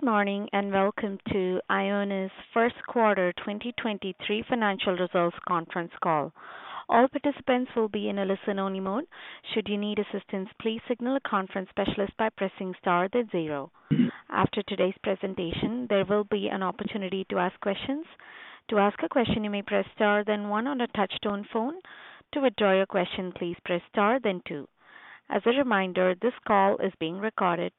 Good morning, and welcome to Ionis first quarter 2023 financial results conference call. All participants will be in a listen-only mode. Should you need assistance, please signal a conference specialist by pressing star then zero. After today's presentation, there will be an opportunity to ask questions. To ask a question, you may press star then one on a touch-tone phone. To withdraw your question, please press star then two. As a reminder, this call is being recorded.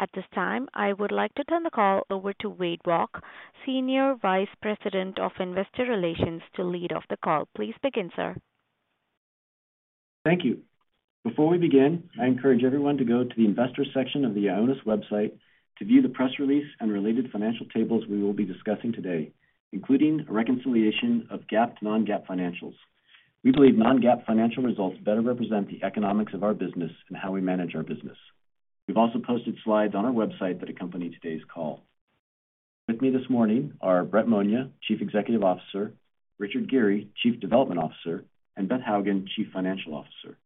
At this time, I would like to turn the call over to Wade Walke, Senior Vice President of Investor Relations to lead off the call. Please begin, sir. Thank you. Before we begin, I encourage everyone to go to the investors section of the Ionis website to view the press release and related financial tables we will be discussing today, including a reconciliation of GAAP to Non-GAAP financials. We believe Non-GAAP financial results better represent the economics of our business and how we manage our business. We've also posted slides on our website that accompany today's call. With me this morning are Brett Monia, Chief Executive Officer, Richard Geary, Chief Development Officer, and Beth Hougen, Chief Financial Officer.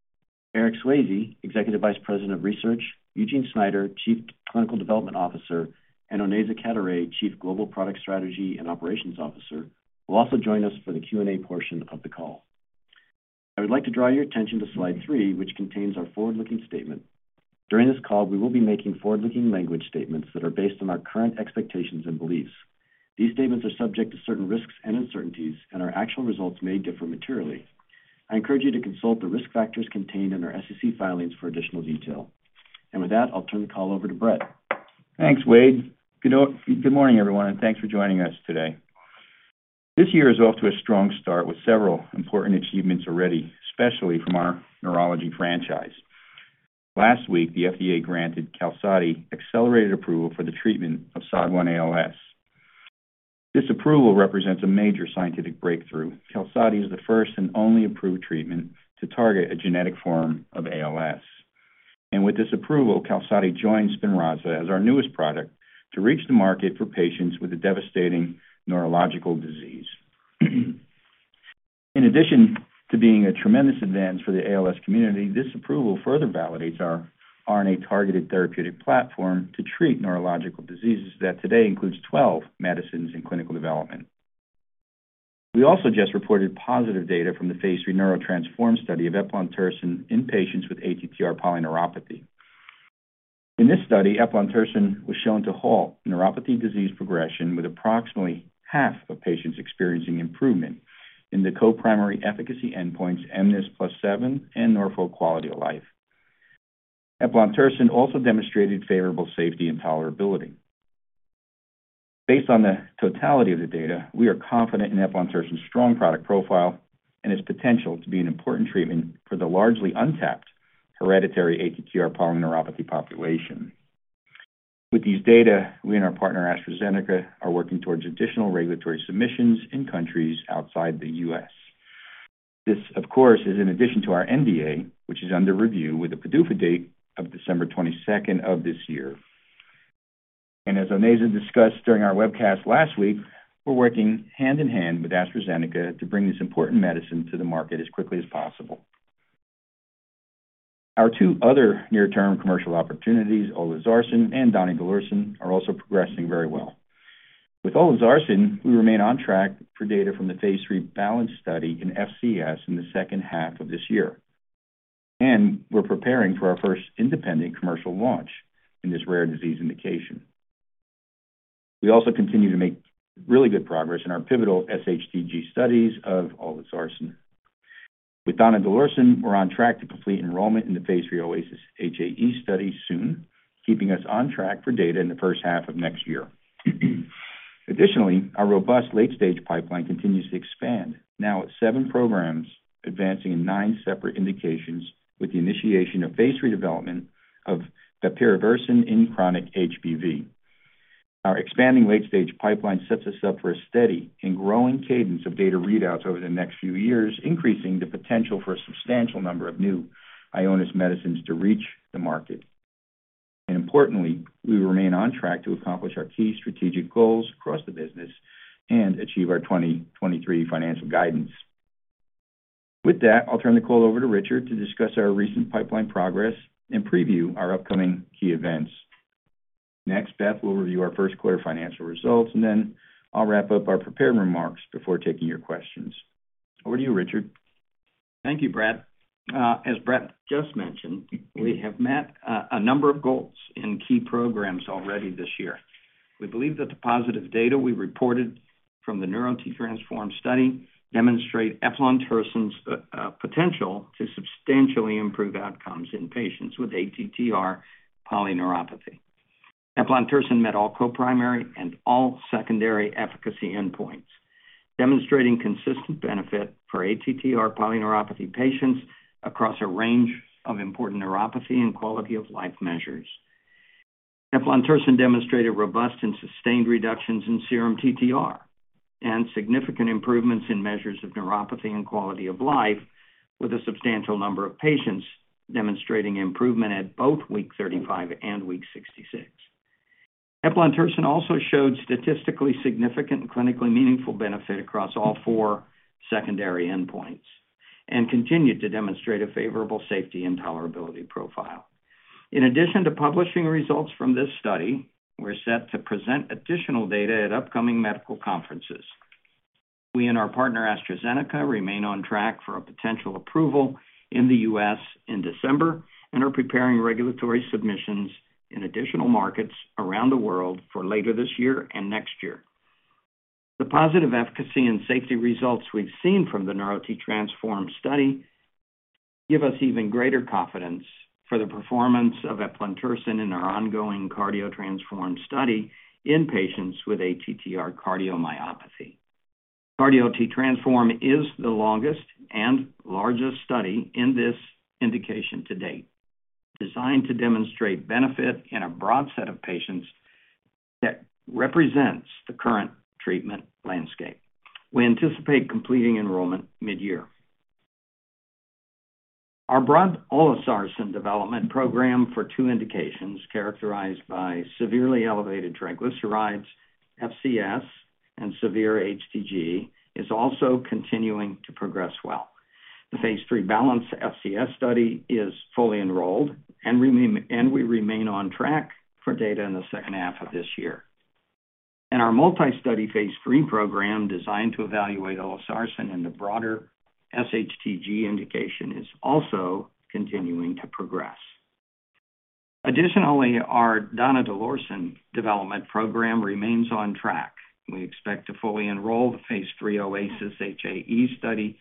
Eric Swayze, Executive Vice President of Research, Eugene Schneider, Chief Clinical Development Officer, and Onaiza Cadoret, Chief Global Product Strategy and Operations Officer, will also join us for the Q&A portion of the call. I would like to draw your attention to slide three, which contains our forward-looking statement. During this call, we will be making forward-looking language statements that are based on our current expectations and beliefs. These statements are subject to certain risks and uncertainties, and our actual results may differ materially. I encourage you to consult the risk factors contained in our SEC filings for additional detail. With that, I'll turn the call over to Brett. Thanks, Wade. Good morning, everyone, and thanks for joining us today. This year is off to a strong start with several important achievements already, especially from our neurology franchise. Last week, the FDA granted QALSODY accelerated approval for the treatment of SOD1-ALS. This approval represents a major scientific breakthrough. QALSODY is the first and only approved treatment to target a genetic form of ALS. With this approval, QALSODY joins SPINRAZA as our newest product to reach the market for patients with a devastating neurological disease. In addition to being a tremendous advance for the ALS community, this approval further validates our RNA-targeted therapeutic platform to treat neurological diseases that today includes 12 medicines in clinical development. We also just reported positive data from the phase III NEURO-TTRansform study of eplontersen in patients with ATTR polyneuropathy. In this study, eplontersen was shown to halt neuropathy disease progression with approximately half of patients experiencing improvement in the co-primary efficacy endpoints, mNIS+7 and Norfolk Quality of Life-Diabetic Neuropathy. Eplontersen also demonstrated favorable safety and tolerability. Based on the totality of the data, we are confident in eplontersen's strong product profile and its potential to be an important treatment for the largely untapped hereditary ATTR polyneuropathy population. With these data, we and our partner, AstraZeneca, are working towards additional regulatory submissions in countries outside the U.S. This, of course, is in addition to our NDA, which is under review with the PDUFA date of December 22nd of this year. As Onaiza discussed during our webcast last week, we're working hand-in-hand with AstraZeneca to bring this important medicine to the market as quickly as possible. Our two other near-term commercial opportunities, olezarsen and donidalorsen, are also progressing very well. With olezarsen, we remain on track for data from the phase III Balance study in FCS in the second half of this year. We're preparing for our first independent commercial launch in this rare disease indication. We also continue to make really good progress in our pivotal SHTG studies of olezarsen. With donidalorsen, we're on track to complete enrollment in the phase III OASIS-HAE study soon, keeping us on track for data in the first half of next year. Our robust late-stage pipeline continues to expand, now at seven programs advancing in nine separate indications with the initiation of phase III development of bepirovirsen in chronic HBV. Our expanding late-stage pipeline sets us up for a steady and growing cadence of data readouts over the next few years, increasing the potential for a substantial number of new Ionis medicines to reach the market. Importantly, we remain on track to accomplish our key strategic goals across the business and achieve our 2023 financial guidance. With that, I'll turn the call over to Richard to discuss our recent pipeline progress and preview our upcoming key events. Next, Beth will review our first quarter financial results, and then I'll wrap up our prepared remarks before taking your questions. Over to you, Richard. Thank you, Brett. As Brett just mentioned, we have met a number of goals in key programs already this year. We believe that the positive data we reported from the NEURO-TTRansform study demonstrate eplontersen's potential to substantially improve outcomes in patients with ATTR polyneuropathy. Eplontersen met all co-primary and all secondary efficacy endpoints, demonstrating consistent benefit for ATTR polyneuropathy patients across a range of important neuropathy and quality of life measures. Eplontersen demonstrated robust and sustained reductions in serum TTR and significant improvements in measures of neuropathy and quality of life with a substantial number of patients demonstrating improvement at both week 35 and week 66. Eplontersen also showed statistically significant and clinically meaningful benefit across all four secondary endpoints. Continued to demonstrate a favorable safety and tolerability profile. In addition to publishing results from this study, we're set to present additional data at upcoming medical conferences. We and our partner, AstraZeneca, remain on track for a potential approval in the U.S. in December and are preparing regulatory submissions in additional markets around the world for later this year and next year. The positive efficacy and safety results we've seen from the NEURO-TTRansform study give us even greater confidence for the performance of eplontersen in our ongoing CARDIO-TTRansform study in patients with ATTR cardiomyopathy. CARDIO-TTRansform is the longest and largest study in this indication to date, designed to demonstrate benefit in a broad set of patients that represents the current treatment landscape. We anticipate completing enrollment mid-year. Our broad olezarsen development program for two indications characterized by severely elevated triglycerides, FCS, and severe HTG, is also continuing to progress well. The phase III BALANCE-FCS study is fully enrolled, and we remain on track for data in the second half of this year. Our multi-study phase III program designed to evaluate olezarsen in the broader sHTG indication is also continuing to progress. Additionally, our donidalorsen development program remains on track. We expect to fully enroll the phase III OASIS-HAE study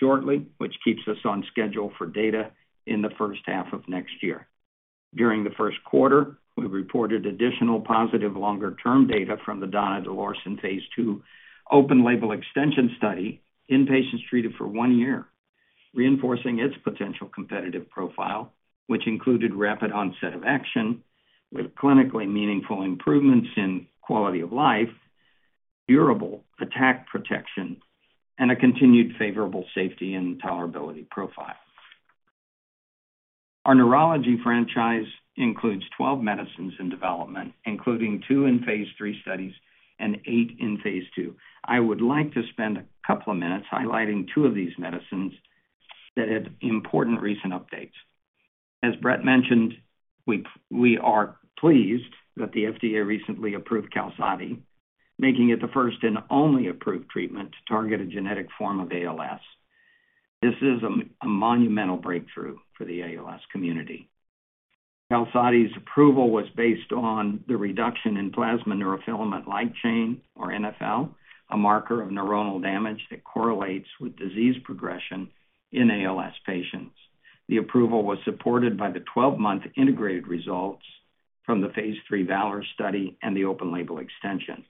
shortly, which keeps us on schedule for data in the first half of next year. During the first quarter, we reported additional positive longer-term data from the donidalorsen phase II open label extension study in patients treated for one year, reinforcing its potential competitive profile, which included rapid onset of action with clinically meaningful improvements in quality of life, durable attack protection, and a continued favorable safety and tolerability profile. Our neurology franchise includes 12 medicines in development, including 2 medicines in phase III studies and 8 medicines in phase II. I would like to spend a couple of minutes highlighting two of these medicines that had important recent updates. As Brett mentioned, we are pleased that the FDA recently approved QALSODY, making it the first and only approved treatment to target a genetic form of ALS. This is a monumental breakthrough for the ALS community. QALSODY's approval was based on the reduction in plasma neurofilament light chain or NfL, a marker of neuronal damage that correlates with disease progression in ALS patients. The approval was supported by the 12-month integrated results from the phase III VALOR study and the open label extension.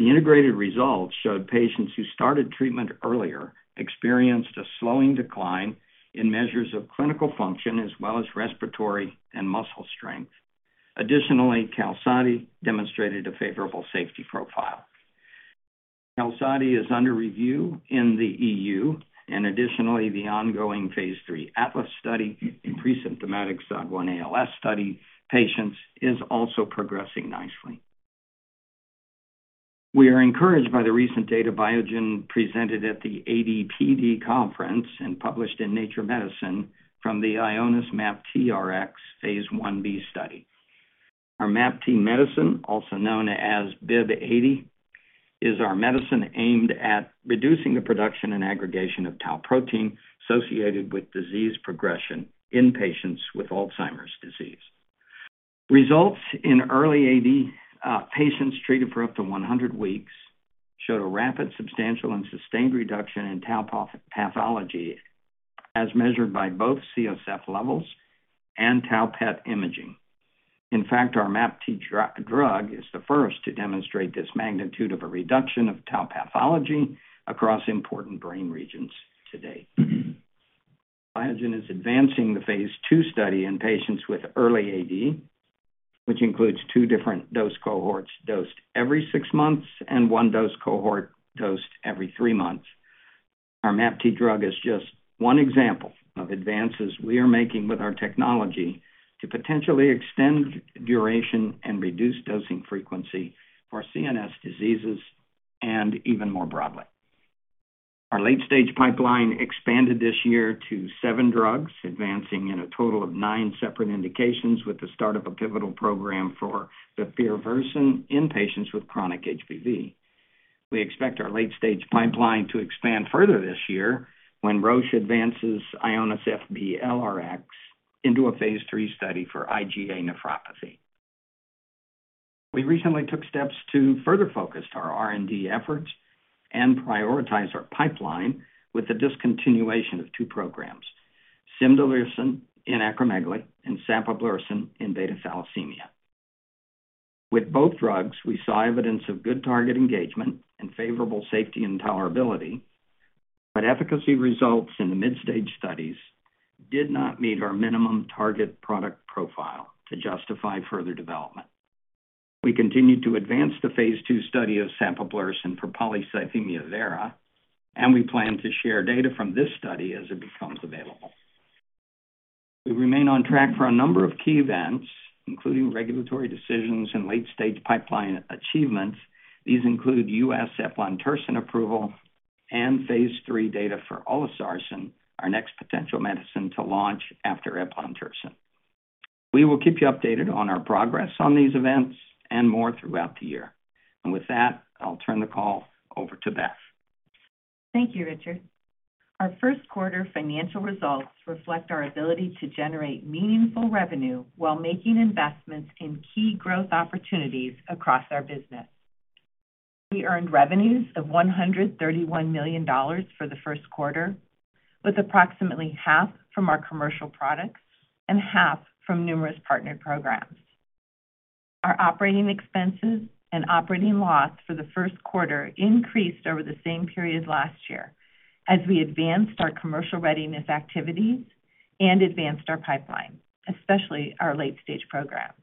The integrated results showed patients who started treatment earlier experienced a slowing decline in measures of clinical function as well as respiratory and muscle strength. Additionally, QALSODY demonstrated a favorable safety profile. QALSODY is under review in the EU, and additionally, the ongoing phase III ATLAS study in presymptomatic SOD1-ALS study patients is also progressing nicely. We are encouraged by the recent data Biogen presented at the ADPD conference and published in Nature Medicine from the Ionis-MAPTRx phase IB study. Our MAPT medicine, also known as BIIB080, is our medicine aimed at reducing the production and aggregation of tau protein associated with disease progression in patients with Alzheimer's disease. Results in early AD patients treated for up to 100 weeks showed a rapid, substantial, and sustained reduction in tau pathology, as measured by both CSF levels and tau PET imaging. In fact, our MAPT drug is the first to demonstrate this magnitude of a reduction of tau pathology across important brain regions to date. Biogen is advancing the phase II study in patients with early AD, which includes two different dose cohorts dosed every six months, and dose dose cohort dosed every three months. Our MAPT drug is just one example of advances we are making with our technology to potentially extend duration and reduce dosing frequency for CNS diseases and even more broadly. Our late-stage pipeline expanded this year to seven drugs, advancing in a total of nine separate indications with the start of a pivotal program for bepirovirsen in patients with chronic HBV. We expect our late-stage pipeline to expand further this year when Roche advances IONIS-FB-LRx into a phase III study for IgA nephropathy. We recently took steps to further focus our R&D efforts and prioritize our pipeline with the discontinuation of two programs, cimdelirsen in acromegaly and sapablursen in beta thalassemia. With both drugs, we saw evidence of good target engagement and favorable safety and tolerability, but efficacy results in the mid-stage studies did not meet our minimum target product profile to justify further development. We continue to advance the phase II study of sapablursen for polycythemia vera. We plan to share data from this study as it becomes available. We remain on track for a number of key events, including regulatory decisions and late-stage pipeline achievements. These include U.S. eplontersen approval and phase III data for olezarsen, our next potential medicine to launch after eplontersen. We will keep you updated on our progress on these events and more throughout the year. With that, I'll turn the call over to Beth. Thank you, Richard. Our first quarter financial results reflect our ability to generate meaningful revenue while making investments in key growth opportunities across our business. We earned revenues of $131 million for the first quarter, with approximately half from our commercial products and half from numerous partnered programs. Our operating expenses and operating loss for the first quarter increased over the same period last year as we advanced our commercial readiness activities and advanced our pipeline, especially our late-stage programs.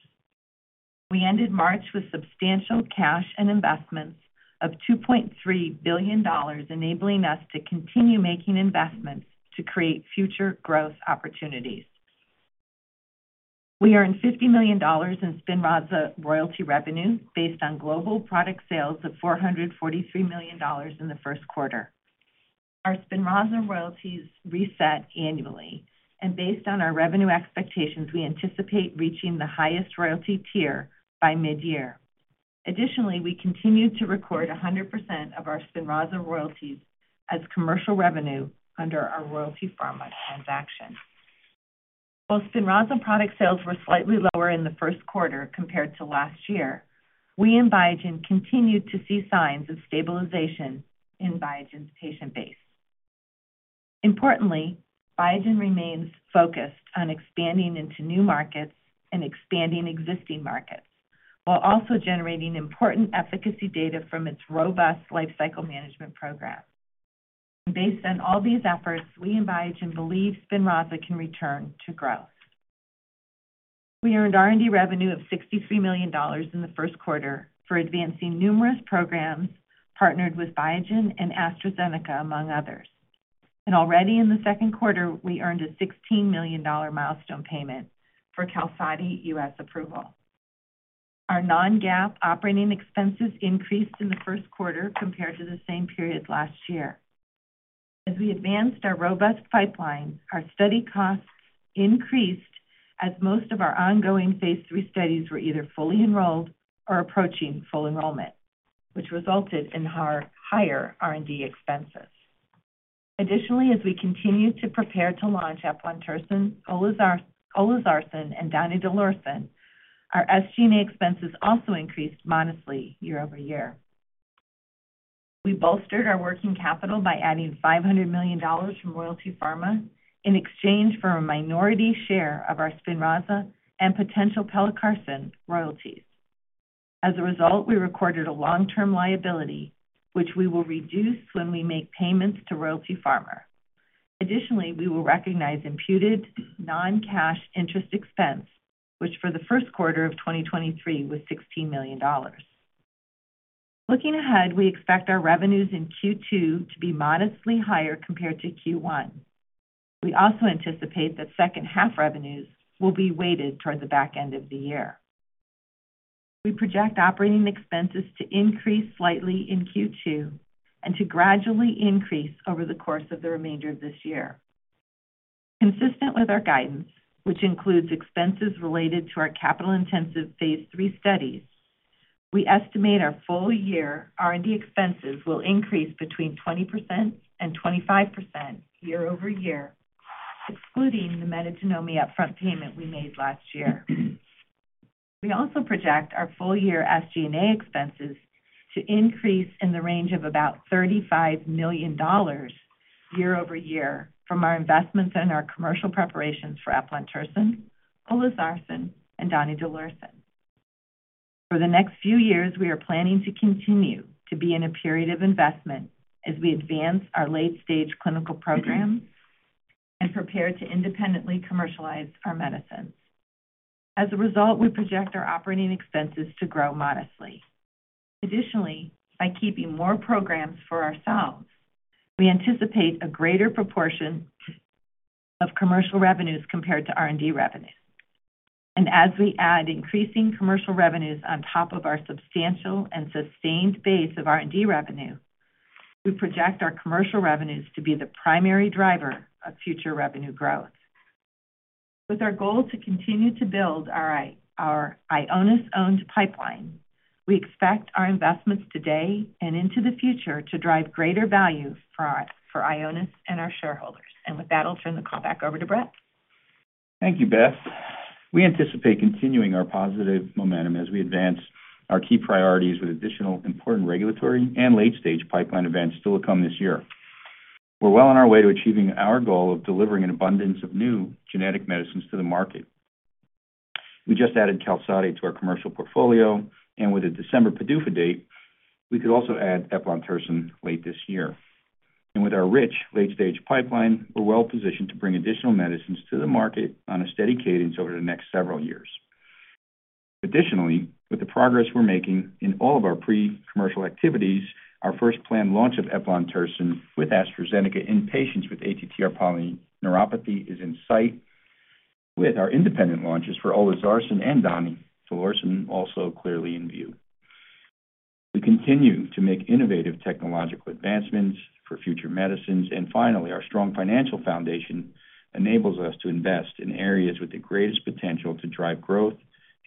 We ended March with substantial cash and investments of $2.3 billion, enabling us to continue making investments to create future growth opportunities. We earn $50 million in SPINRAZA royalty revenue based on global product sales of $443 million in the first quarter. Our SPINRAZA royalties reset annually. Based on our revenue expectations, we anticipate reaching the highest royalty tier by mid-year. Additionally, we continue to record 100% of our SPINRAZA royalties as commercial revenue under our Royalty Pharma transaction. While SPINRAZA product sales were slightly lower in the first quarter compared to last year, we and Biogen continued to see signs of stabilization in Biogen's patient base. Importantly, Biogen remains focused on expanding into new markets and expanding existing markets while also generating important efficacy data from its robust lifecycle management program. Based on all these efforts, we and Biogen believe SPINRAZA can return to growth. We earned R&D revenue of $63 million in the first quarter for advancing numerous programs partnered with Biogen and AstraZeneca, among others. Already in the second quarter, we earned a $16 million milestone payment for QALSODY U.S. approval. Our Non-GAAP operating expenses increased in the first quarter compared to the same period last year. We advanced our robust pipeline, our study costs increased as most of our ongoing phase III studies were either fully enrolled or approaching full enrollment, which resulted in higher R&D expenses. We continue to prepare to launch eplontersen, olezarsen, and donidalorsen, our SG&A expenses also increased modestly year-over-year. We bolstered our working capital by adding $500 million from Royalty Pharma in exchange for a minority share of our SPINRAZA and potential pelacarsen royalties. We recorded a long-term liability, which we will reduce when we make payments to Royalty Pharma. We will recognize imputed non-cash interest expense, which for the first quarter of 2023 was $16 million. Looking ahead, we expect our revenues in Q2 to be modestly higher compared to Q1. We also anticipate that second half revenues will be weighted toward the back end of the year. We project operating expenses to increase slightly in Q2 and to gradually increase over the course of the remainder of this year. Consistent with our guidance, which includes expenses related to our capital-intensive phase III studies, we estimate our full year R&D expenses will increase between 20% and 25% year-over-year, excluding the Metagenomi upfront payment we made last year. We also project our full-year SG&A expenses to increase in the range of about $35 million year-over-year from our investments in our commercial preparations for eplontersen, olezarsen, and donidalorsen. For the next few years, we are planning to continue to be in a period of investment as we advance our late-stage clinical programs and prepare to independently commercialize our medicines. As a result, we project our OpEx to grow modestly. Additionally, by keeping more programs for ourselves, we anticipate a greater proportion of commercial revenues compared to R&D revenues. As we add increasing commercial revenues on top of our substantial and sustained base of R&D revenue, we project our commercial revenues to be the primary driver of future revenue growth. With our goal to continue to build our Ionis-owned pipeline, we expect our investments today and into the future to drive greater value for Ionis and our shareholders. With that, I'll turn the call back over to Brett. Thank you, Beth. We anticipate continuing our positive momentum as we advance our key priorities with additional important regulatory and late-stage pipeline events still to come this year. We're well on our way to achieving our goal of delivering an abundance of new genetic medicines to the market. We just added QALSODY to our commercial portfolio. With a December PDUFA date, we could also add eplontersen late this year. With our rich late-stage pipeline, we're well-positioned to bring additional medicines to the market on a steady cadence over the next several years. Additionally, with the progress we're making in all of our pre-commercial activities, our first planned launch of eplontersen with AstraZeneca in patients with ATTR polyneuropathy is in sight, with our independent launches for olezarsen and donidalorsen also clearly in view. We continue to make innovative technological advancements for future medicines. Finally, our strong financial foundation enables us to invest in areas with the greatest potential to drive growth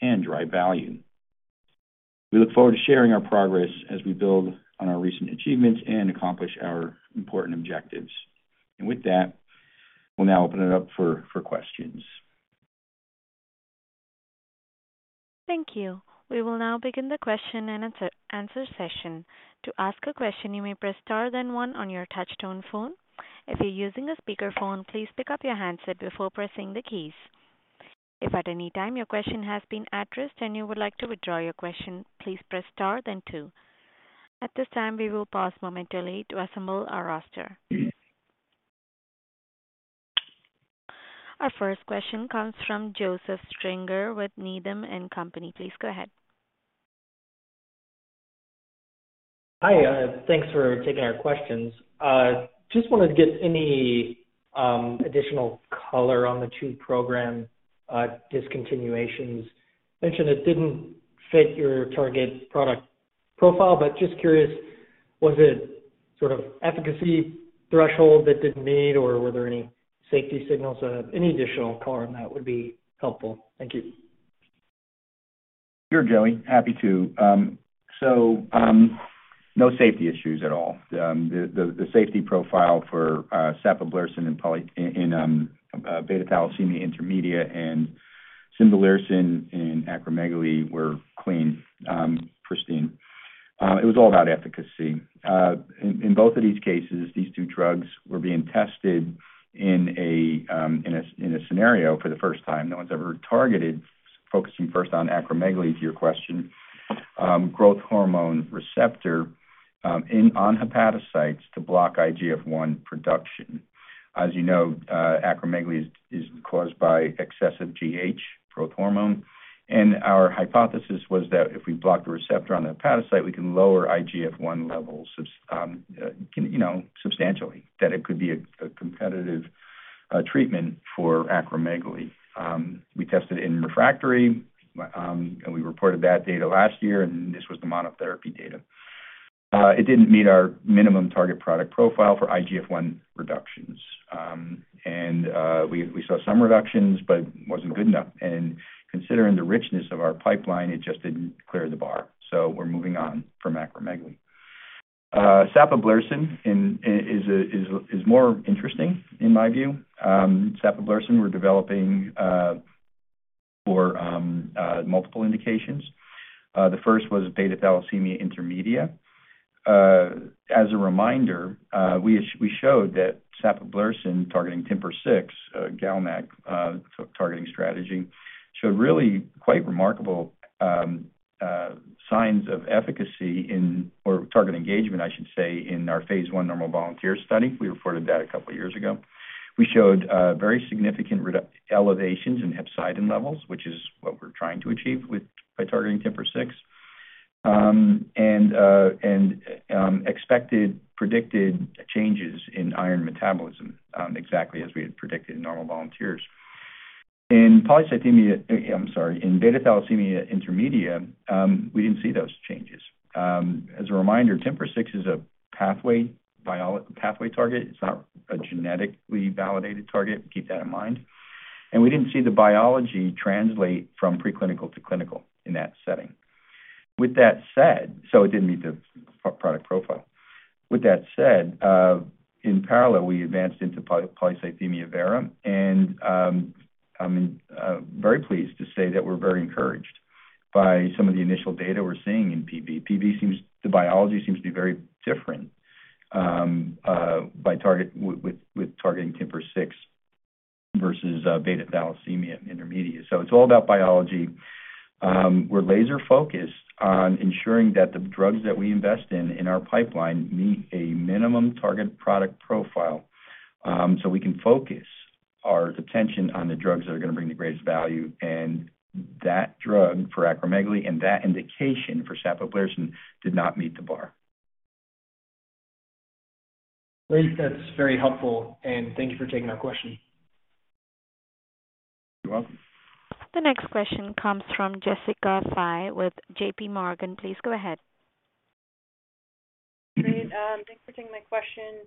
and drive value. We look forward to sharing our progress as we build on our recent achievements and accomplish our important objectives. With that, we'll now open it up for questions. Thank you. We will now begin the question and answer session. To ask a question, you may press star then one on your touchtone phone. If you're using a speakerphone, please pick up your handset before pressing the keys. If at any time your question has been addressed and you would like to withdraw your question, please press star then two. At this time, we will pause momentarily to assemble our roster. Our first question comes from Joseph Stringer with Needham & Company. Please go ahead. Hi, thanks for taking our questions. Just wanted to get any additional color on the two program discontinuations. Mentioned it didn't fit your target product profile, but just curious, was it sort of efficacy threshold that didn't meet, or were there any safety signals? Any additional color on that would be helpful. Thank you. Sure, Joey. Happy to. No safety issues at all. The safety profile for sapablursen in beta-thalassemia intermedia and cimdelirsen in acromegaly were clean, pristine. It was all about efficacy. In both of these cases, these two drugs were being tested in a scenario for the first time. No one's ever targeted, focusing first on acromegaly to your question, growth hormone receptor, on hepatocytes to block IGF-1 production. As you know, acromegaly is caused by excessive GH growth hormone. Our hypothesis was that if we block the receptor on the hepatocyte, we can lower IGF-1 levels you know, substantially, that it could be a competitive treatment for acromegaly. We tested in refractory, and we reported that data last year, and this was the monotherapy data. It didn't meet our minimum target product profile for IGF-1 reductions. We saw some reductions, but it wasn't good enough. Considering the richness of our pipeline, it just didn't clear the bar. We're moving on from acromegaly. Sapablursen is more interesting in my view. Sapablursen we're developing for multiple indications. The first was beta thalassemia intermedia. As a reminder, we showed that sapablursen targeting TIMP-6, GalNAc targeting strategy, showed really quite remarkable signs of efficacy in... or target engagement, I should say, in our phase I normal volunteer study. We reported that a couple years ago. We showed very significant elevations in hepcidin levels, which is what we're trying to achieve with, by targeting TIMP-6. Expected predicted changes in iron metabolism, exactly as we had predicted in normal volunteers. In polycythemia, I'm sorry, in beta-thalassemia intermedia, we didn't see those changes. As a reminder, TIMP-6 is a pathway target. It's not a genetically validated target. Keep that in mind. We didn't see the biology translate from preclinical to clinical in that setting. With that said, it didn't meet the product profile. With that said, in parallel, we advanced into polycythemia vera, I'm very pleased to say that we're very encouraged by some of the initial data we're seeing in PV. PV seems, the biology seems to be very different, by target, with targeting TIMP-6 versus beta-thalassemia intermedia. It's all about biology. We're laser focused on ensuring that the drugs that we invest in in our pipeline meet a minimum target product profile, so we can focus our attention on the drugs that are gonna bring the greatest value. That drug for acromegaly and that indication for sapablursen did not meet the bar. Great. That's very helpful, and thank you for taking our question. You're welcome. The next question comes from Jessica Fye with JPMorgan. Please go ahead. Great. Thanks for taking my question.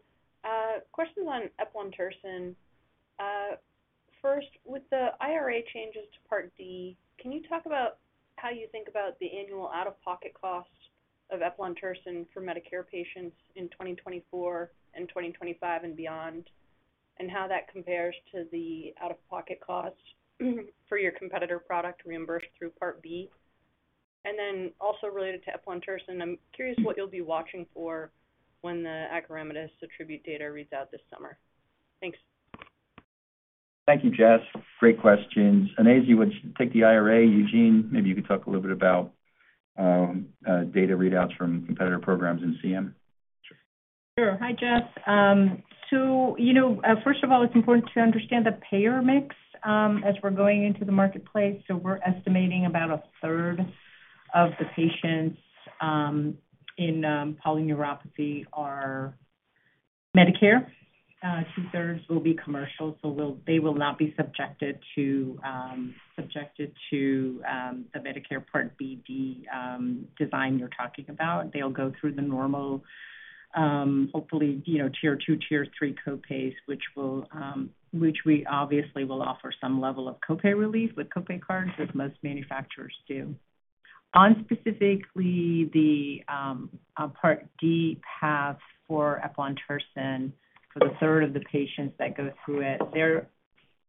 Question on eplontersen. First, with the IRA changes to Part D, can you talk about how you think about the annual out-of-pocket cost of eplontersen for Medicare patients in 2024 and 2025 and beyond, and how that compares to the out-of-pocket costs for your competitor product reimbursed through Part B? Also related to eplontersen, I'm curious what you'll be watching for when the Akrimetis ATTRACT data reads out this summer. Thanks. Thank you, Jess. Great questions. Anas, you would take the IRA. Eugene, maybe you could talk a little bit about data readouts from competitor programs in CM. Sure. Hi, Jeff. You know, first of all, it's important to understand the payer mix as we're going into the marketplace. We're estimating about a third of the patients in polyneuropathy are Medicare. Two-thirds will be commercial, they will not be subjected to the Medicare Part B/D design you're talking about. They'll go through the normal, hopefully, you know, tier two, tier three copays, which we obviously will offer some level of copay relief with copay cards, as most manufacturers do. On specifically the Part D path for eplontersen for the third of the patients that go through it, their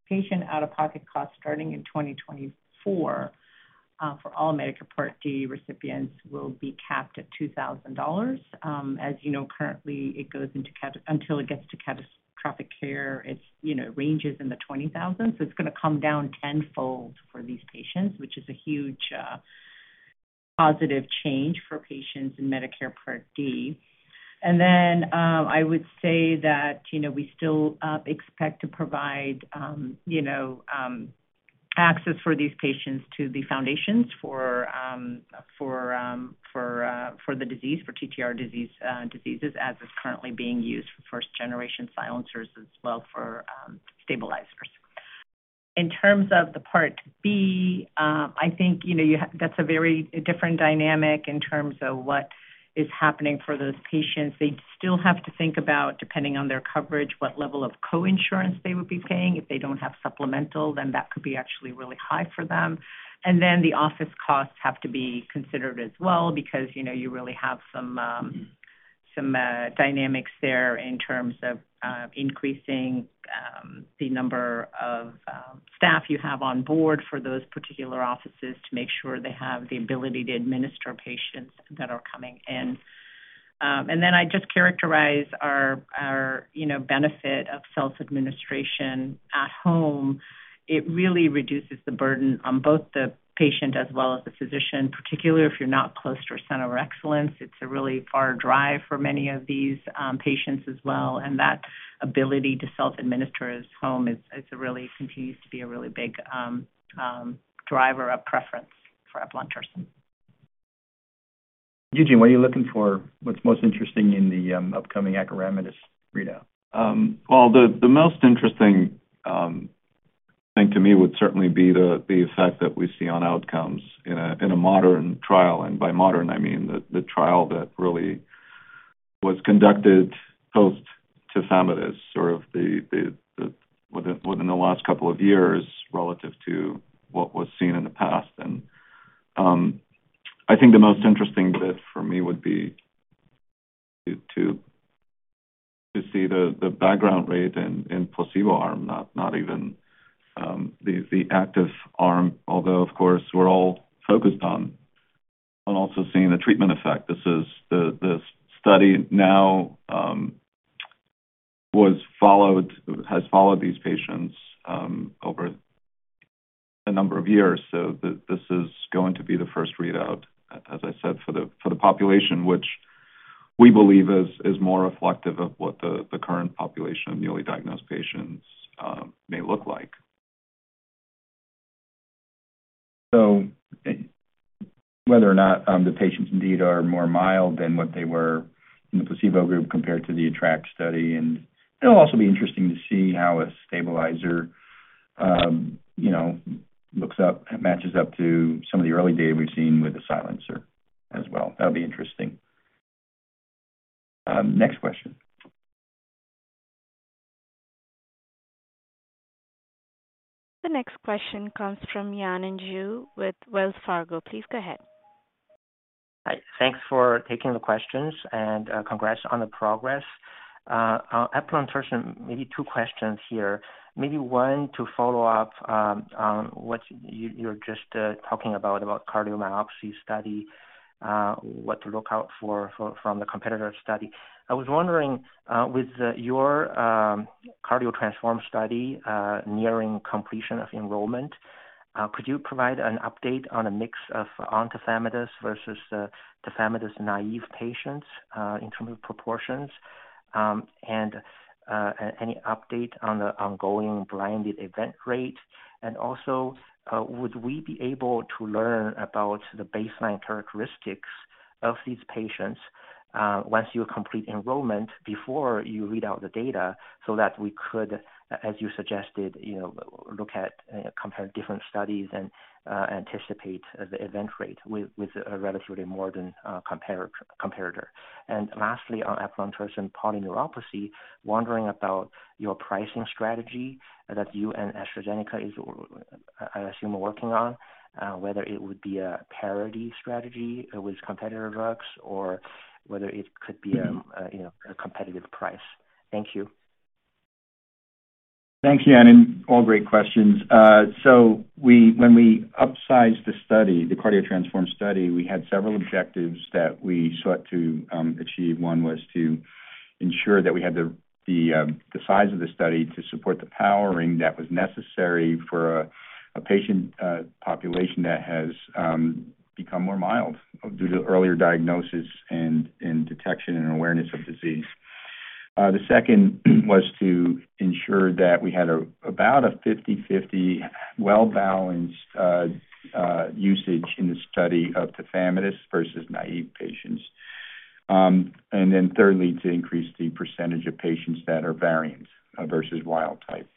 patient out-of-pocket costs starting in 2024 for all Medicare Part D recipients will be capped at $2,000. As you know, currently, it goes until it gets to catastrophic care, it ranges in the $20,000s. It's gonna come down 10-fold for these patients, which is a huge positive change for patients in Medicare Part D. I would say that we still expect to provide access for these patients to the foundations for the disease, for TTR disease diseases, as is currently being used for first-generation silencers as well for stabilizers. In terms of the Part B, I think that's a very different dynamic in terms of what is happening for those patients. They still have to think about, depending on their coverage, what level of coinsurance they would be paying. If they don't have supplemental, then that could be actually really high for them. The office costs have to be considered as well because, you know, you really have some dynamics there in terms of increasing the number of staff you have on board for those particular offices to make sure they have the ability to administer patients that are coming in. I just characterize our, you know, benefit of self-administration at home. It really reduces the burden on both the patient as well as the physician, particularly if you're not close to a center of excellence. It's a really far drive for many of these patients as well, and that ability to self-administer at home is a really continues to be a really big driver of preference for eplontersen. Eugene, what are you looking for? What's most interesting in the upcoming Akrimetis readout? Well, the most interesting thing to me would certainly be the effect that we see on outcomes in a modern trial. By modern, I mean the trial that really was conducted post tafamidis, sort of the last couple of years relative to what was seen in the past. I think the most interesting bit for me would be to see the background rate in placebo arm, not even the active arm, although, of course, we're all focused on also seeing the treatment effect. This is the study now has followed these patients over a number of years. This is going to be the first readout, as I said, for the, for the population, which we believe is more reflective of what the current population of newly diagnosed patients may look like. Whether or not the patients indeed are more mild than what they were in the placebo group compared to the ATTRACT study. It'll also be interesting to see how a stabilizer, you know, looks up and matches up to some of the early data we've seen with the silencer as well. That'll be interesting. Next question. The next question comes from Yanan Zhu with Wells Fargo. Please go ahead. Hi. Thanks for taking the questions, and congrats on the progress. On eplontersen, maybe two questions here. Maybe one to follow up on what you're just talking about cardiomyopathy study, what to look out for from the competitor study. I was wondering, with your Cardio-Transform study nearing completion of enrollment, could you provide an update on a mix of on tafamidis versus tafamidis-naive patients in terms of proportions, and any update on the ongoing blinded event rate? Also, would we be able to learn about the baseline characteristics of these patients once you complete enrollment before you read out the data so that we could, as you suggested, you know, look at, compare different studies and anticipate the event rate with a relatively modern competitor. Lastly, on eplontersen polyneuropathy, wondering about your pricing strategy that you and AstraZeneca I assume, working on, whether it would be a parity strategy with competitor drugs or whether it could be a. Mm-hmm... you know, a competitive price. Thank you. Thanks, Yanan. All great questions. When we upsized the study, the CARDIO-TTRansform study, we had several objectives that we sought to achieve. One was to ensure that we had the size of the study to support the powering that was necessary for a patient population that has become more mild due to earlier diagnosis and detection and awareness of disease. The second was to ensure that we had about a 50-50 well-balanced usage in the study of the tafamidis versus naive patients. Thirdly, to increase the percentage of patients that are variant versus wild type.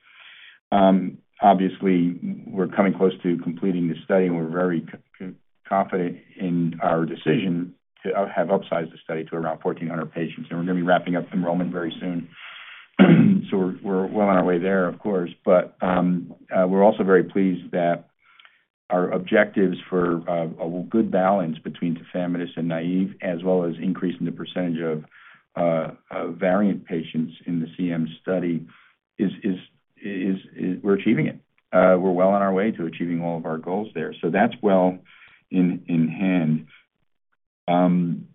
Obviously, we're coming close to completing this study, and we're very confident in our decision to have upsized the study to around 1,400 patients, and we're gonna be wrapping up enrollment very soon. We're well on our way there, of course. We're also very pleased that our objectives for a good balance between tafamidis and naive, as well as increasing the percentage of variant patients in the CM study is we're achieving it. We're well on our way to achieving all of our goals there. That's well in hand.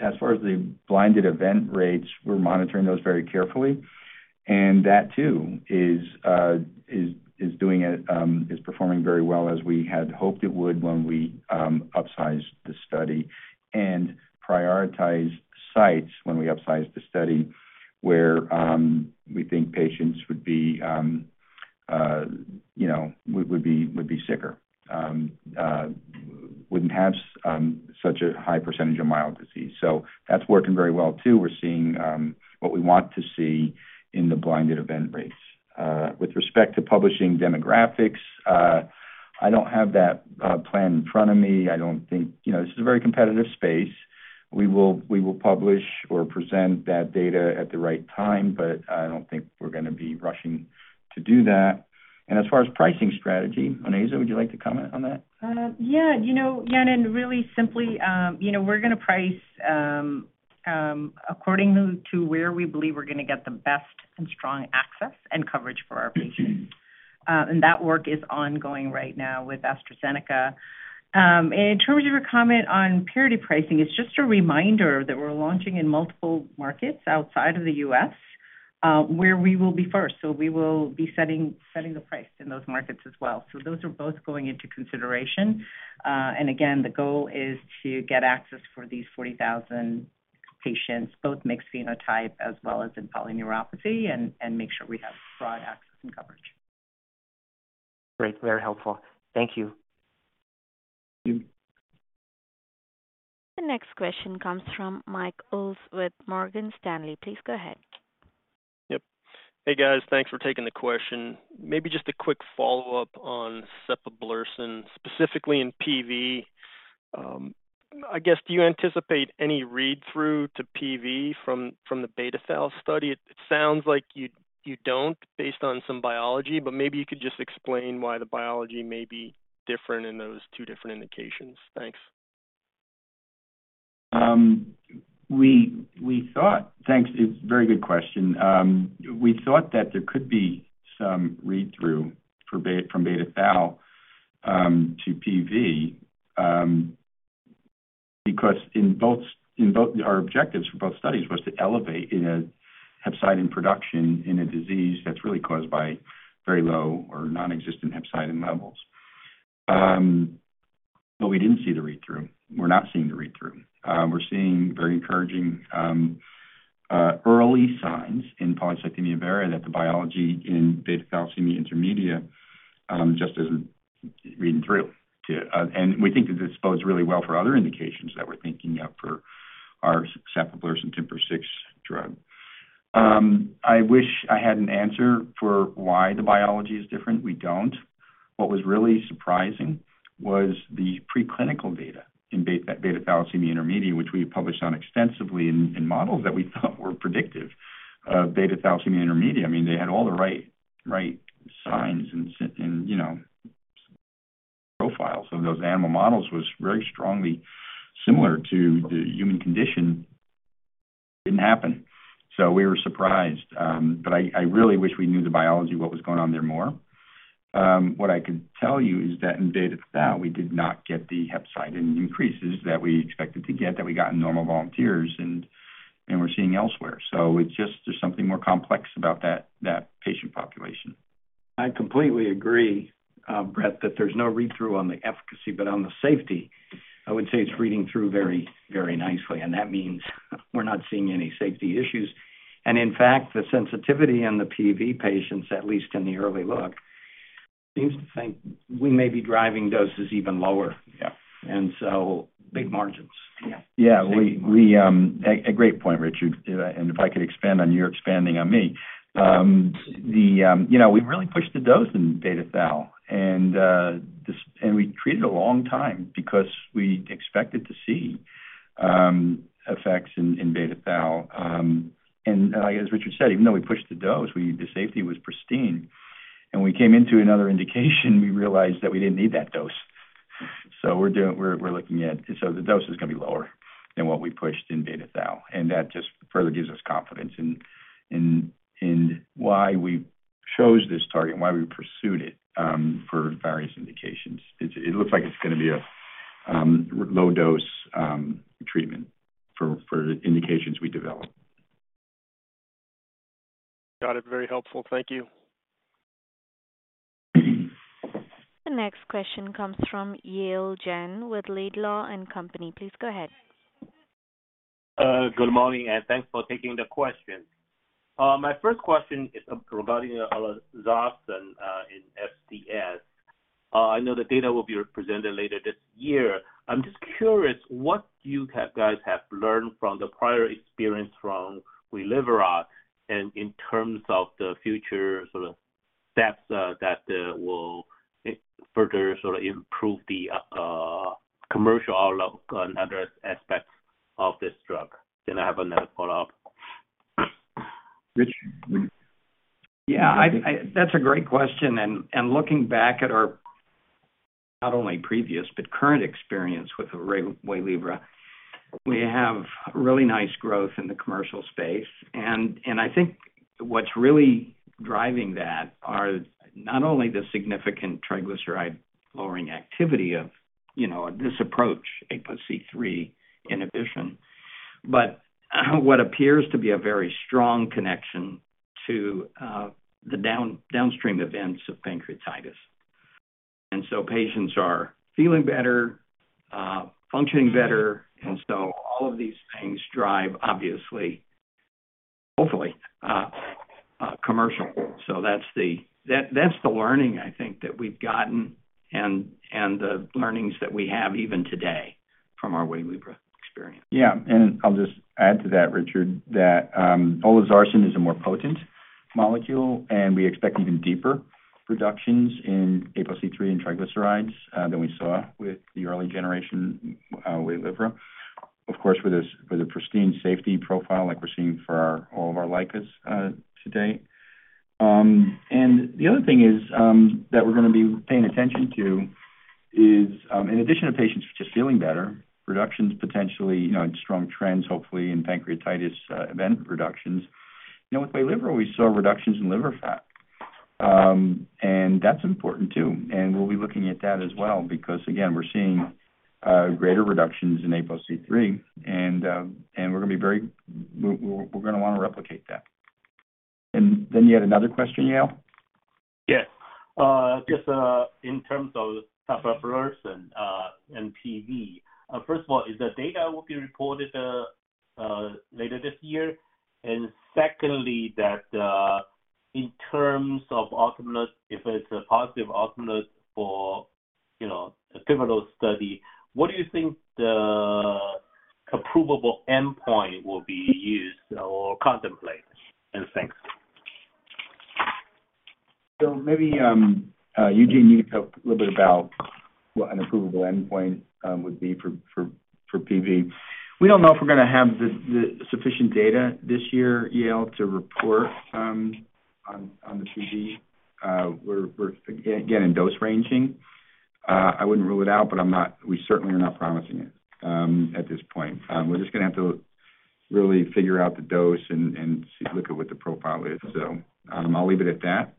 As far as the blinded event rates, we're monitoring those very carefully, and that too is performing very well as we had hoped it would when we upsized the study and prioritize sites when we upsized the study, where we think patients would be, you know, sicker, wouldn't have such a high percentage of mild disease. That's working very well, too. We're seeing what we want to see in the blinded event rates. With respect to publishing demographics, I don't have that plan in front of me. I don't think. You know, this is a very competitive space. We will publish or present that data at the right time, I don't think we're gonna be rushing to do that. As far as pricing strategy, Onaiza, would you like to comment on that? Yeah. You know, Manan, really simply, you know, we're gonna price accordingly to where we believe we're gonna get the best and strong access and coverage for our patients. That work is ongoing right now with AstraZeneca. In terms of your comment on Purity pricing, it's just a reminder that we're launching in multiple markets outside of the U.S., where we will be first. We will be setting the price in those markets as well. Those are both going into consideration. Again, the goal is to get access for these 40,000 patients, both mixed phenotype as well as in polyneuropathy, and make sure we have broad access and coverage. Great. Very helpful. Thank you. Thank you. The next question comes from Mike Ulz with Morgan Stanley. Please go ahead. Yep. Hey, guys. Thanks for taking the question. Maybe just a quick follow-up on sapablursen, specifically in PV. I guess, do you anticipate any read-through to PV from the beta-thalassemia study? It sounds like you don't based on some biology, but maybe you could just explain why the biology may be different in those two different indications. Thanks. We thought. Thanks. It's a very good question. We thought that there could be some read-through from beta thal to PV because in both our objectives for both studies was to elevate in a hepcidin production in a disease that's really caused by very low or non-existent hepcidin levels. We didn't see the read-through. We're not seeing the read-through. We're seeing very encouraging early signs in polycythemia vera that the biology in beta-thalassemia intermedia just isn't reading through to. We think this bodes really well for other indications that we're thinking of for our sapablursen TIMP-6 drug. I wish I had an answer for why the biology is different. We don't. What was really surprising was the preclinical data in beta thalassemia intermedia, which we published on extensively in models that we thought were predictive of beta thalassemia intermedia. I mean, they had all the right signs and, you know, profiles of those animal models was very strongly similar to the human condition. Didn't happen. We were surprised. I really wish we knew the biology, what was going on there more. What I could tell you is that in beta thal, we did not get the hepcidin increases that we expected to get, that we got in normal volunteers and we're seeing elsewhere. It's just there's something more complex about that patient population. I completely agree, Brett, that there's no read-through on the efficacy, but on the safety, I would say it's reading through very, very nicely, and that means we're not seeing any safety issues. In fact, the sensitivity in the PV patients, at least in the early look, seems to think we may be driving doses even lower. Yeah. Big margins. Yeah. We, a great point, Richard. If I could expand on your expanding on me. You know, we really pushed the dose in beta thal and we treated a long time because we expected to see effects in beta thal. As Richard said, even though we pushed the dose, the safety was pristine. We came into another indication, we realized that we didn't need that dose. We're looking at the dose is gonna be lower than what we pushed in beta thal, and that just further gives us confidence in why we chose this target and why we pursued it for various indications. It looks like it's gonna be a low dose treatment for indications we developed. Got it. Very helpful. Thank you. The next question comes from Yale Jen with Laidlaw & Company. Please go ahead. Good morning, thanks for taking the question. My first question is regarding olezarsen in FCS. I know the data will be presented later this year. I'm just curious, what you have, guys have learned from the prior experience from WAYLIVRA and in terms of the future sort of steps that will further sort of improve the commercial outlook on other aspects of this drug. I have another follow-up. Richard? Yeah. That's a great question, looking back at our not only previous but current experience with WAYLIVRA, we have really nice growth in the commercial space. I think what's really driving that are not only the significant triglyceride-lowering activity of, you know, this approach, APOC3 inhibition, but what appears to be a very strong connection to the downstream events of pancreatitis. Patients are feeling better, functioning better, all of these things drive, obviously, hopefully, commercial. That's the, that's the learning I think that we've gotten and the learnings that we have even today from our WAYLIVRA experience. Yeah. I'll just add to that, Richard, that olezarsen is a more potent molecule, and we expect even deeper reductions in APOC3 and triglycerides than we saw with the early generation WAYLIVRA. Of course, with a pristine safety profile like we're seeing for all of our licas to date. The other thing is that we're gonna be paying attention to is, in addition to patients just feeling better, reductions potentially, you know, and strong trends, hopefully, in pancreatitis event reductions. You know, with WAYLIVRA, we saw reductions in liver fat. That's important too, and we'll be looking at that as well because, again, we're seeing greater reductions in APOC3, and we're gonna wanna replicate that. You had another question, Yale? Yes. Just in terms of tafamidis and PV. First of all, is the data will be reported later this year? Secondly, that in terms of optimism, if it's a positive optimism for, you know, a pivotal study, what do you think the approvable endpoint will be used or contemplated? Thanks. Maybe Eugene, you can talk a little bit about what an approvable endpoint would be for PV. We don't know if we're gonna have the sufficient data this year, Yale, to report on the PV. We're again in dose ranging. I wouldn't rule it out, but we certainly are not promising it at this point. We're just gonna have to really figure out the dose and look at what the profile is. I'll leave it at that.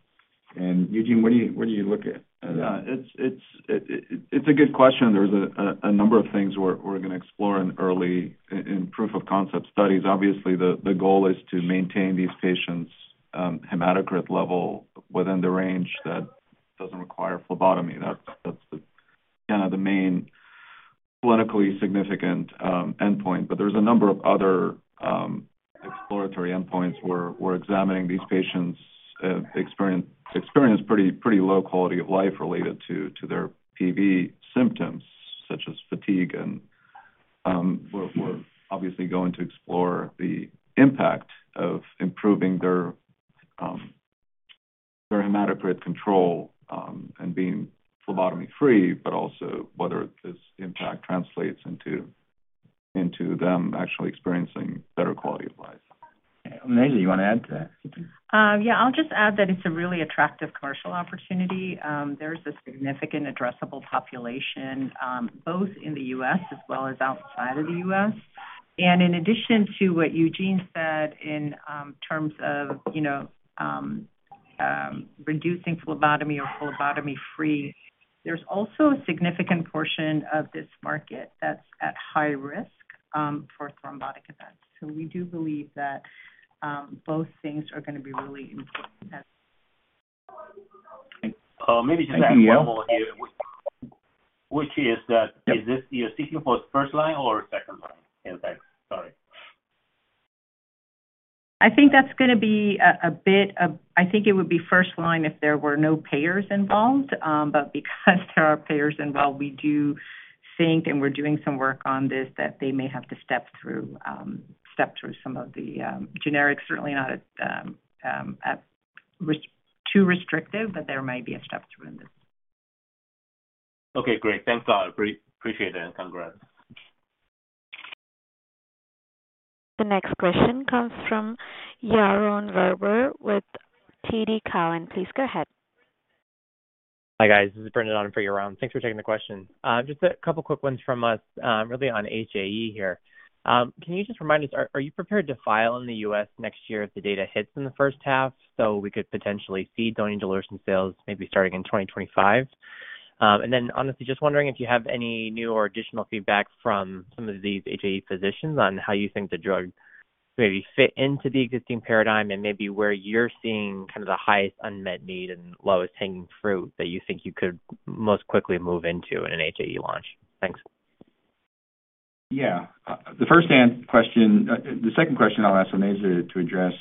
Eugene, what do you look at that? Yeah. It's a good question. There's a number of things we're gonna explore in early in proof of concept studies. Obviously, the goal is to maintain these patients' hematocrit level within the range that doesn't require phlebotomy. That's the kinda the main clinically significant endpoint. There's a number of other exploratory endpoints we're examining. These patients experience pretty low quality of life related to their PV symptoms, such as fatigue. We're obviously going to explore the impact of improving their hematocrit control and being phlebotomy-free, but also whether this impact translates into them actually experiencing better quality of life. Onaiza, you wanna add to that? Yeah. I'll just add that it's a really attractive commercial opportunity. There's a significant addressable population, both in the U.S. as well as outside of the U.S. In addition to what Eugene said in terms of, you know, reducing phlebotomy or phlebotomy-free, there's also a significant portion of this market that's at high risk for thrombotic events. We do believe that both things are gonna be really important. Okay. Maybe just one more here. Thank you, Yale. Which is that, you're seeking for first line or second line impact? Sorry. I think that's gonna be a bit of. I think it would be first line if there were no payers involved. Because there are payers involved, we do think, and we're doing some work on this, that they may have to step through some of the. Generics certainly not as too restrictive. There may be a step through in this. Okay, great. Thanks a lot. Appreciate it, and congrats. The next question comes from Yaron Werber with TD Cowen. Please go ahead. Hi, guys. This is Brendan on for Yaron. Thanks for taking the question. Just a couple quick ones from us, really on HAE here. Can you just remind us, are you prepared to file in the U.S. next year if the data hits in the first half, so we could potentially see donidalorsen sales maybe starting in 2025? Honestly, just wondering if you have any new or additional feedback from some of these HAE physicians on how you think the drug Maybe fit into the existing paradigm and maybe where you're seeing kind of the highest unmet need and lowest hanging fruit that you think you could most quickly move into in an HAE launch? Thanks. Yeah. The first question, the second question I'll ask Onaiza to address.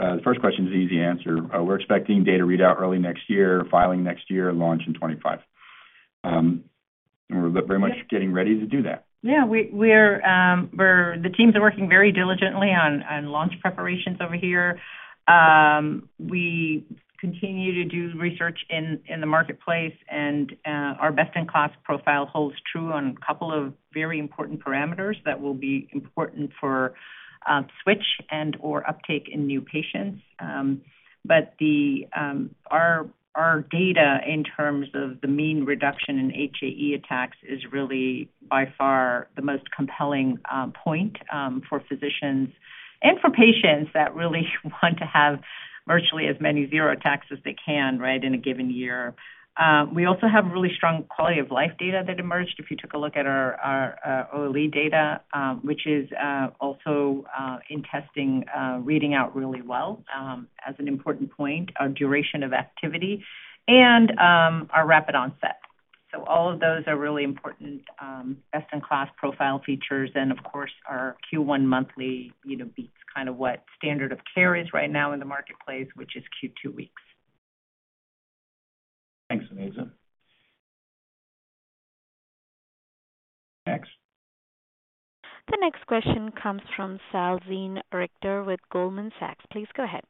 The first question is easy to answer. We're expecting data readout early next year, filing next year, launch in 25. We're very much getting ready to do that. Yeah. We, we're the teams are working very diligently on launch preparations over here. We continue to do research in the marketplace and our best-in-class profile holds true on a couple of very important parameters that will be important for switch and or uptake in new patients. The data in terms of the mean reduction in HAE attacks is really by far the most compelling point for physicians and for patients that really want to have virtually as many zero attacks as they can, right, in a given year. We also have really strong quality of life data that emerged. If you took a look at our early data, which is also in testing, reading out really well, as an important point, our duration of activity and our rapid onset. All of those are really important, best-in-class profile features. Of course, our Q1 monthly, you know, beats kind of what standard of care is right now in the marketplace, which is Q2 weeks. Thanks, Onaiza. Next. The next question comes from Salveen Richter with Goldman Sachs. Please go ahead.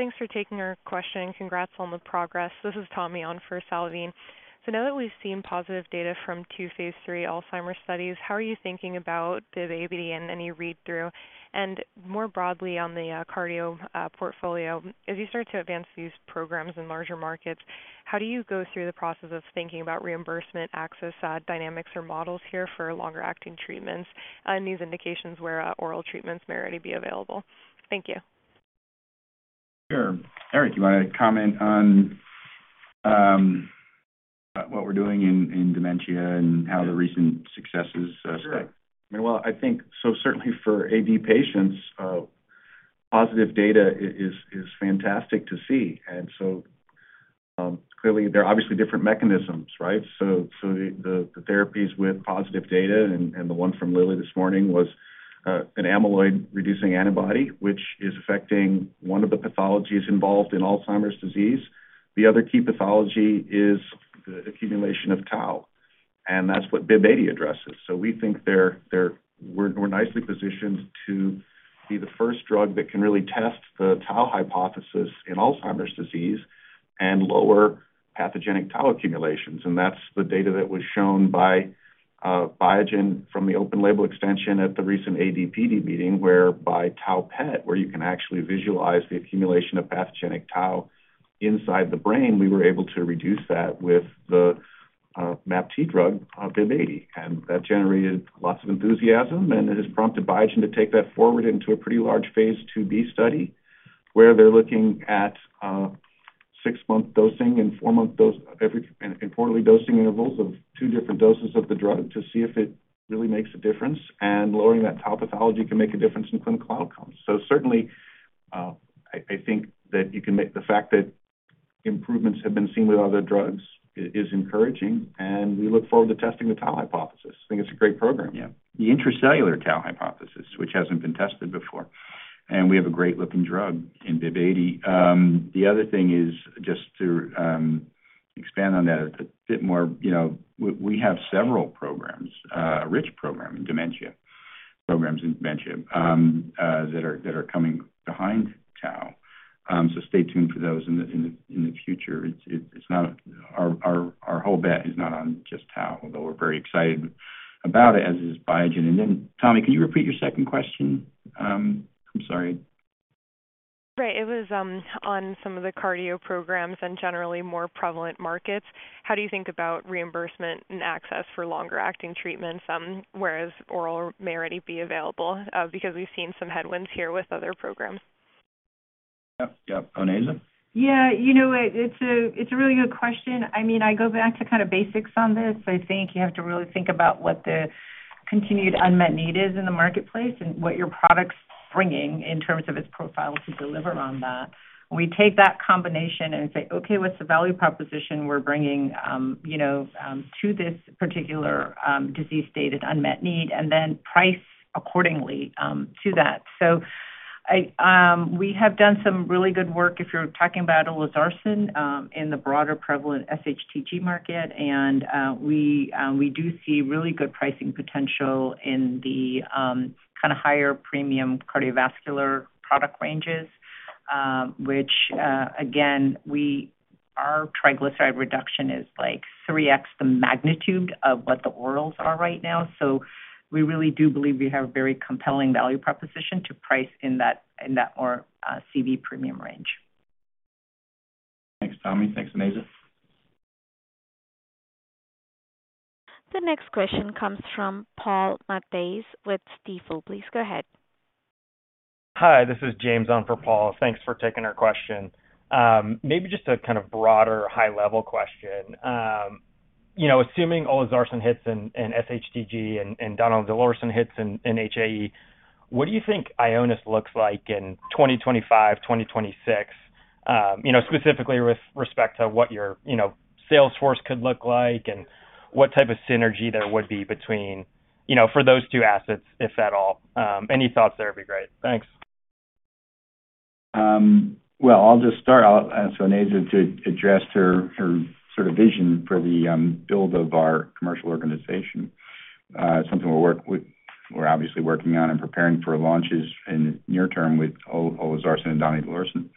Thanks for taking our question, congrats on the progress. This is Tommy on for Salveen Richter. Now that we've seen positive data from two phase III Alzheimer's studies, how are you thinking about the ABD and any read-through? More broadly on the cardio portfolio, as you start to advance these programs in larger markets, how do you go through the process of thinking about reimbursement, access, dynamics or models here for longer-acting treatments in these indications where oral treatments may already be available? Thank you. Sure. Eric, you want to comment on what we're doing in dementia and how the recent successes stack? Sure. Well, I think so certainly for AD patients, positive data is fantastic to see. Clearly, there are obviously different mechanisms, right? The therapies with positive data and the one from Lilly this morning was an amyloid-reducing antibody, which is affecting one of the pathologies involved in Alzheimer's disease. The other key pathology is the accumulation of tau, and that's what BIIB080 addresses. We think we're nicely positioned to be the first drug that can really test the tau hypothesis in Alzheimer's disease and lower pathogenic tau accumulations. That's the data that was shown by Biogen from the open label extension at the recent ADPD meeting, where by tau PET, where you can actually visualize the accumulation of pathogenic tau inside the brain. We were able to reduce that with the MAPT drug, BIIB080. That generated lots of enthusiasm, and it has prompted Biogen to take that forward into a pretty large phase IIb study, where they're looking at six-month dosing and four-month dose importantly, dosing intervals of two different doses of the drug to see if it really makes a difference. Lowering that tau pathology can make a difference in clinical outcomes. Certainly, I think that you can make the fact that improvements have been seen with other drugs is encouraging, and we look forward to testing the tau hypothesis. I think it's a great program. Yeah. The intracellular tau hypothesis, which hasn't been tested before, and we have a great-looking drug in BIIB080. The other thing is, just to expand on that a bit more, you know, we have several programs, a rich program in programs in dementia, that are coming behind tau. So stay tuned for those in the, in the, in the future. Our whole bet is not on just tau, although we're very excited about it, as is Biogen. Tommy, can you repeat your second question? I'm sorry. Right. It was on some of the cardio programs and generally more prevalent markets. How do you think about reimbursement and access for longer-acting treatments, whereas oral may already be available? We've seen some headwinds here with other programs. Yep. Yep. Onaiza? Yeah. You know what? It's a really good question. I mean, I go back to kind of basics on this. I think you have to really think about what the continued unmet need is in the marketplace and what your product's bringing in terms of its profile to deliver on that. We take that combination and say, okay, what's the value proposition we're bringing, you know, to this particular disease state and unmet need, and then price accordingly to that. We have done some really good work if you're talking about olezarsen in the broader prevalent SHTG market. We do see really good pricing potential in the kind of higher premium cardiovascular product ranges, which again, our triglyceride reduction is like 3x the magnitude of what the orals are right now. We really do believe we have very compelling value proposition to price in that, in that more, CV premium range. Thanks, Tommy. Thanks, Onasa. The next question comes from Paul Matteis with Stifel. Please go ahead. Hi, this is James on for Paul. Thanks for taking our question. Maybe just a kind of broader high-level question. You know, assuming olezarsen hits in SHTG and donidalorsen hits in HAE, what do you think Ionis looks like in 2025, 2026? You know, specifically with respect to what your, you know, sales force could look like and what type of synergy there would be between, you know, for those two assets, if at all. Any thoughts there would be great. Thanks. Well, I'll just start. I'll ask Onasa to address her sort of vision for the build of our commercial organization. Something we're obviously working on and preparing for launches in the near term with olezarsen and donidalorsen.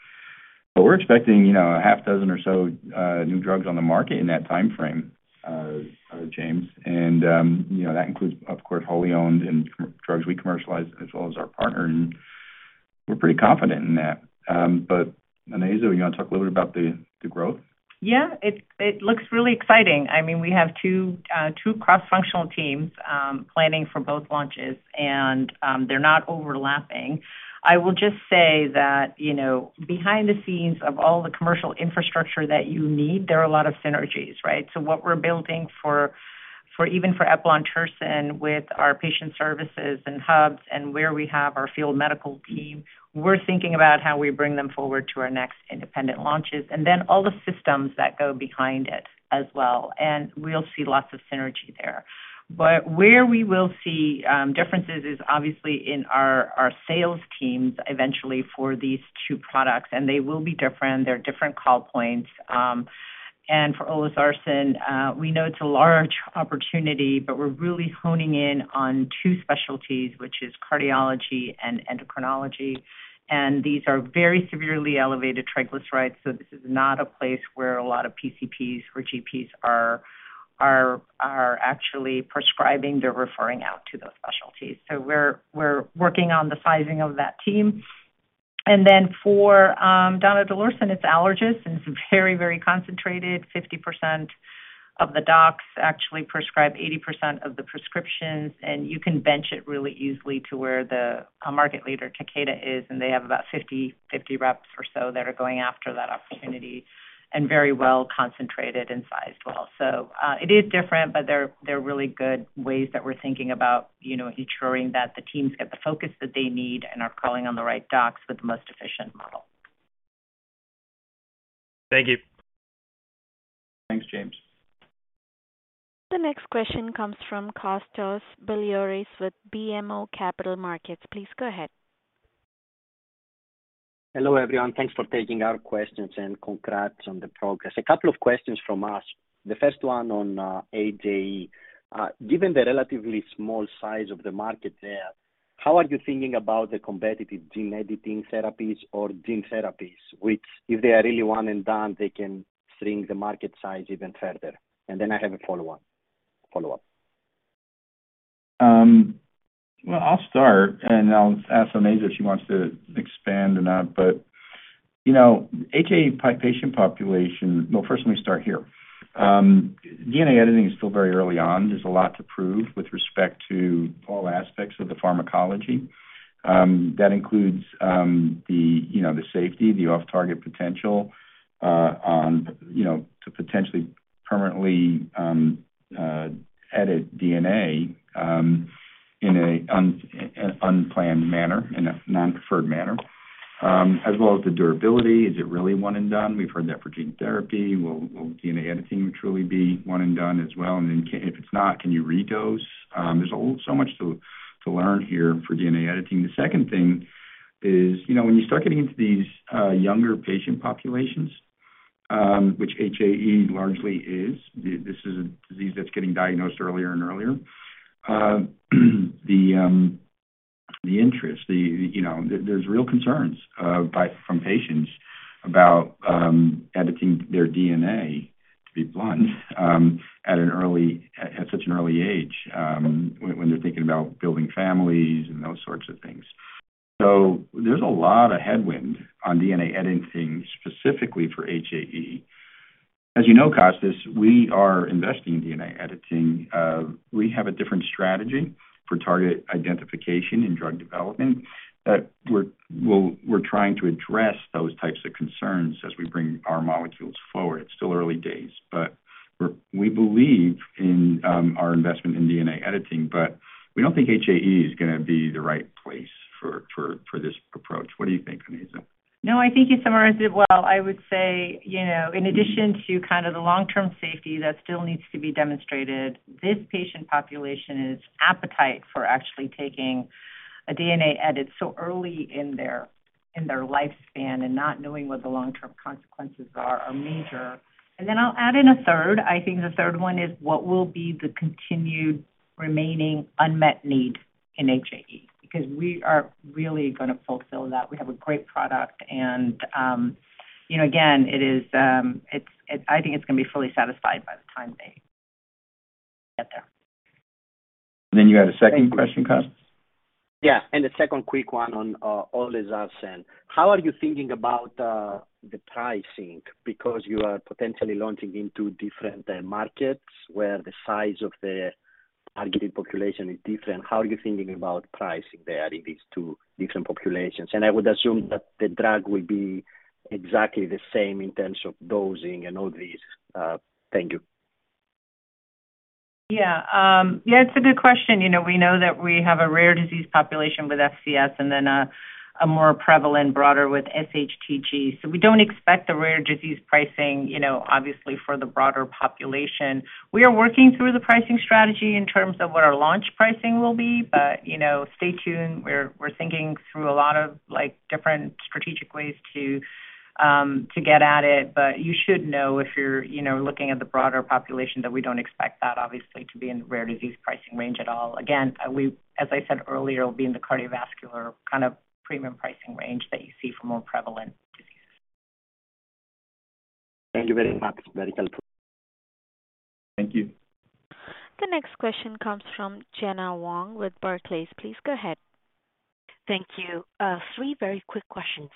We're expecting, you know, a half dozen or so new drugs on the market in that timeframe, James. You know, that includes, of course, wholly owned and drugs we commercialize as well as our partner, and we're pretty confident in that. Onasa, you want to talk a little bit about the growth? Yeah. It looks really exciting. I mean, we have two cross-functional teams planning for both launches. They're not overlapping. I will just say that, you know, behind the scenes of all the commercial infrastructure that you need, there are a lot of synergies, right? What we're building for even for eplontersen with our patient services and hubs and where we have our field medical team, we're thinking about how we bring them forward to our next independent launches and then all the systems that go behind it as well. We'll see lots of synergy there. Where we will see differences is obviously in our sales teams eventually for these two products, and they will be different. They're different call points. For olezarsen, we know it's a large opportunity, but we're really honing in on two specialties, which is cardiology and endocrinology. These are very severely elevated triglycerides, so this is not a place where a lot of PCPs or GPs are actually prescribing. They're referring out to those specialties. We're working on the sizing of that team. For donidalorsen, it's allergists, and it's very, very concentrated. 50% of the docs actually prescribe 80% of the prescriptions, and you can bench it really easily to where the market leader, Takeda, is, and they have about 50 reps or so that are going after that opportunity and very well concentrated and sized well. It is different, but they're really good ways that we're thinking about, you know, ensuring that the teams get the focus that they need and are calling on the right docs with the most efficient model. Thank you. Thanks, James. The next question comes from Kostas Biliouris with BMO Capital Markets. Please go ahead. Hello, everyone. Thanks for taking our questions. Congrats on the progress. A couple of questions from us. The first one on HAE. Given the relatively small size of the market there, how are you thinking about the competitive gene editing therapies or gene therapies, which if they are really one and done, they can shrink the market size even further? Then I have a follow up. Well, I'll start, and I'll ask Onaiza if she wants to expand or not. You know, HAE patient population. Well, first let me start here. DNA editing is still very early on. There's a lot to prove with respect to all aspects of the pharmacology. That includes, you know, the safety, the off-target potential, on, you know, to potentially permanently edit DNA in an unplanned manner, in a non-preferred manner, as well as the durability. Is it really one and done? We've heard that for gene therapy. Will DNA editing truly be one and done as well? If it's not, can you redose? There's a whole so much to learn here for DNA editing. The second thing is, you know, when you start getting into these younger patient populations, which HAE largely is, this is a disease that's getting diagnosed earlier and earlier. The interest, you know, there's real concerns by, from patients about editing their DNA, to be blunt, at an early, at such an early age, when they're thinking about building families and those sorts of things. There's a lot of headwind on DNA editing, specifically for HAE. As you know, Kostas, we are investing in DNA editing. We have a different strategy for target identification in drug development that we're trying to address those types of concerns as we bring our molecules forward. It's still early days, we believe in our investment in DNA editing, we don't think HAE is gonna be the right place for this approach. What do you think, Onasa? No, I think you summarized it well. I would say, you know, in addition to kind of the long-term safety that still needs to be demonstrated, this patient population is appetite for actually taking a DNA edit so early in their, in their lifespan and not knowing what the long-term consequences are are major. I'll add in a third. I think the third one is what will be the continued remaining unmet need in HAE? Because we are really gonna fulfill that. We have a great product, and, you know, again, it is, I think it's gonna be fully satisfied by the time they get there. You had a second question, Kostas? The second quick one on olezarsen. How are you thinking about the pricing? Because you are potentially launching into different markets where the size of the targeted population is different. How are you thinking about pricing there in these two different populations? I would assume that the drug will be exactly the same in terms of dosing and all these. Thank you. Yeah, it's a good question. You know, we know that we have a rare disease population with FCS and then a more prevalent broader with SHTG. We don't expect the rare disease pricing, you know, obviously for the broader population. We are working through the pricing strategy in terms of what our launch pricing will be. You know, stay tuned. We're thinking through a lot of, like, different strategic ways to get at it. You should know if you're, you know, looking at the broader population that we don't expect that obviously to be in the rare disease pricing range at all. Again, as I said earlier, it'll be in the cardiovascular kind of premium pricing range that you see for more prevalent disease. Thank you very much. Very helpful. Thank you. The next question comes from Gena Wang with Barclays. Please go ahead. Thank you. Three very quick questions.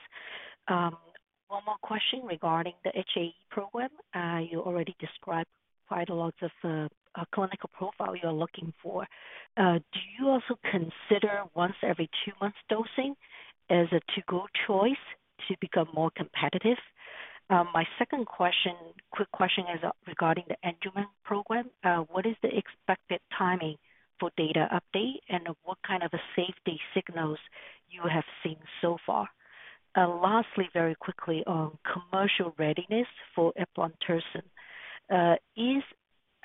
One more question regarding the HAE program. You already described quite a lot of the clinical profile you're looking for. Do you also consider once every 2 months dosing as a to-go choice to become more competitive? My second question, quick question is regarding the Angelman program. What is the expected timing for data update, and what kind of safety signals you have seen so far? Lastly, very quickly on commercial readiness for eplontersen. Is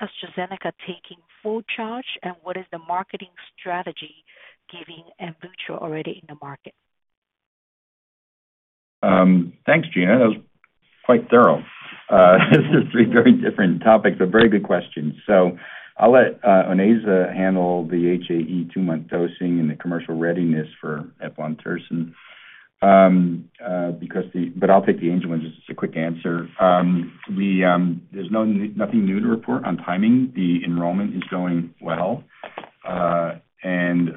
AstraZeneca taking full charge, and what is the marketing strategy giving Amvuttra already in the market? Thanks, Gena. That was quite thorough. This is three very different topics, but very good questions. I'll let Onaiza handle the HAE two-month dosing and the commercial readiness for eplontersen. I'll take the Angelman just as a quick answer. We, there's no, nothing new to report on timing. The enrollment is going well, and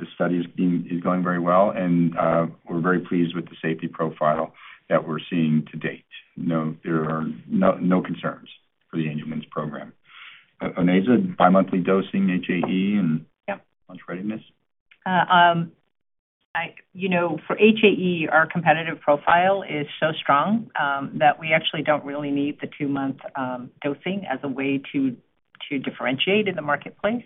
the study is going very well and we're very pleased with the safety profile that we're seeing to date. There are no concerns for the Angelman program. Onaiza, bimonthly dosing HAE and- Yep. Launch readiness. You know, for HAE, our competitive profile is so strong that we actually don't really need the two-month dosing as a way to differentiate in the marketplace.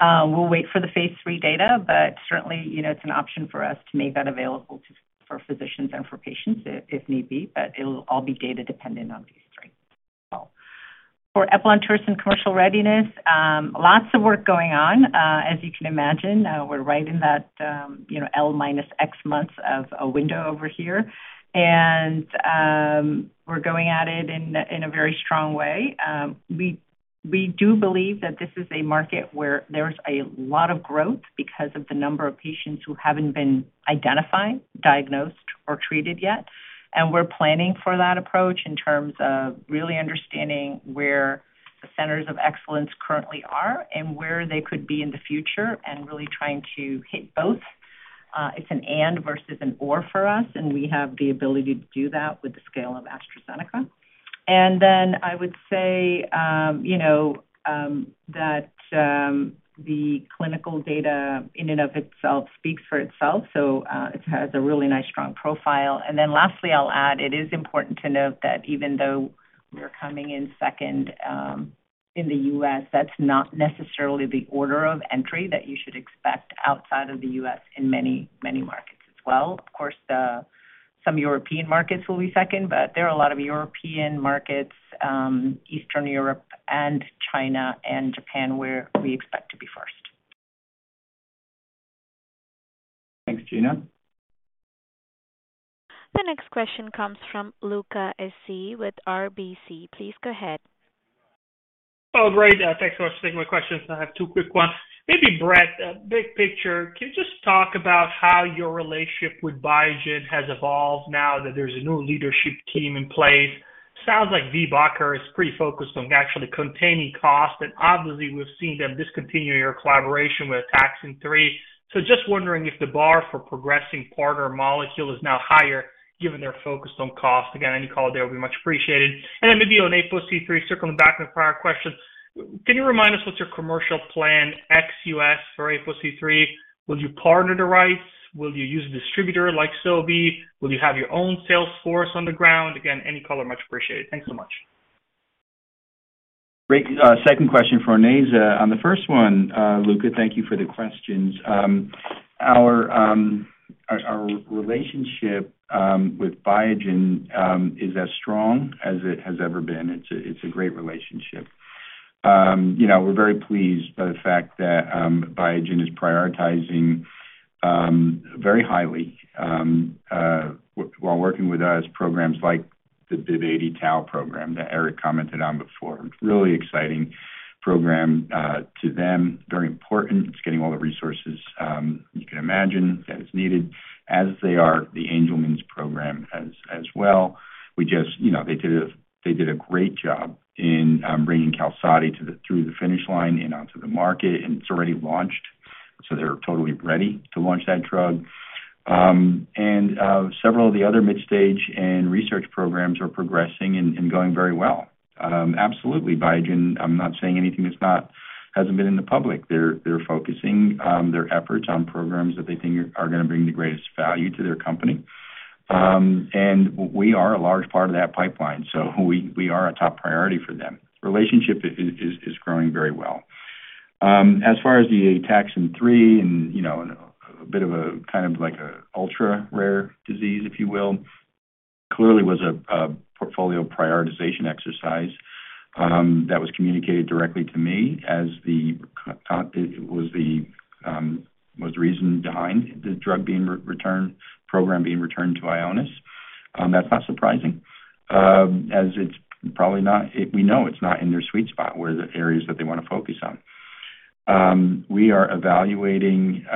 We'll wait for the phase III data, but certainly, you know, it's an option for us to make that available for physicians and for patients if need be, but it'll all be data dependent on these three as well. For eplontersen commercial readiness, lots of work going on, as you can imagine. We're right in that, you know, L minus X months of a window over here. We're going at it in a very strong way. We do believe that this is a market where there's a lot of growth because of the number of patients who haven't been identified, diagnosed or treated yet. We're planning for that approach in terms of really understanding where the centers of excellence currently are and where they could be in the future and really trying to hit both. It's an and versus an or for us, and we have the ability to do that with the scale of AstraZeneca. I would say, you know, that the clinical data in and of itself speaks for itself. It has a really nice, strong profile. Lastly, I'll add, it is important to note that even though we're coming in second, in the U.S., that's not necessarily the order of entry that you should expect outside of the U.S. in many, many markets as well. Some European markets will be second. There are a lot of European markets, Eastern Europe and China and Japan, where we expect to be first. Thanks, Gena. The next question comes from Luca Issi with RBC. Please go ahead. Great. Thanks so much. My questions, I have two quick ones. Maybe Brett, big picture, can you just talk about how your relationship with Biogen has evolved now that there's a new leadership team in place? Sounds like Viehbacher is pretty focused on actually containing costs. Obviously, we've seen them discontinue your collaboration with Ataxin-3. Just wondering if the bar for progressing partner molecule is now higher given their focus on cost. Again, any call there will be much appreciated. Maybe on APOC3, circling back to the prior question, can you remind us what's your commercial plan ex U.S. for APOC3? Will you partner the rights? Will you use a distributor like Sobi? Will you have your own sales force on the ground? Again, any color, much appreciated. Thanks so much. Great, second question for Onasa. On the first one, Luca, thank you for the questions. Our relationship with Biogen is as strong as it has ever been. It's a great relationship. You know, we're very pleased by the fact that Biogen is prioritizing very highly while working with us, programs like the BIIB080 tau program that Eric commented on before. Really exciting program to them, very important. It's getting all the resources you can imagine that is needed, as they are the Angelman program as well. We just. You know, they did a great job in bringing QALSODY through the finish line and onto the market, and it's already launched. They're totally ready to launch that drug. Several of the other mid-stage and research programs are progressing and going very well. Absolutely, Biogen, I'm not saying anything that hasn't been in the public. They're focusing their efforts on programs that they think are gonna bring the greatest value to their company. We are a large part of that pipeline, so we are a top priority for them. Relationship is growing very well. As far as the Ataxin-3, you know, a bit of a kind of like a ultra-rare disease, if you will, clearly was a portfolio prioritization exercise that was communicated directly to me as the reason behind the drug being returned, program being returned to Ionis. That's not surprising as it's probably not... We know it's not in their sweet spot, where the areas that they wanna focus on. We are evaluating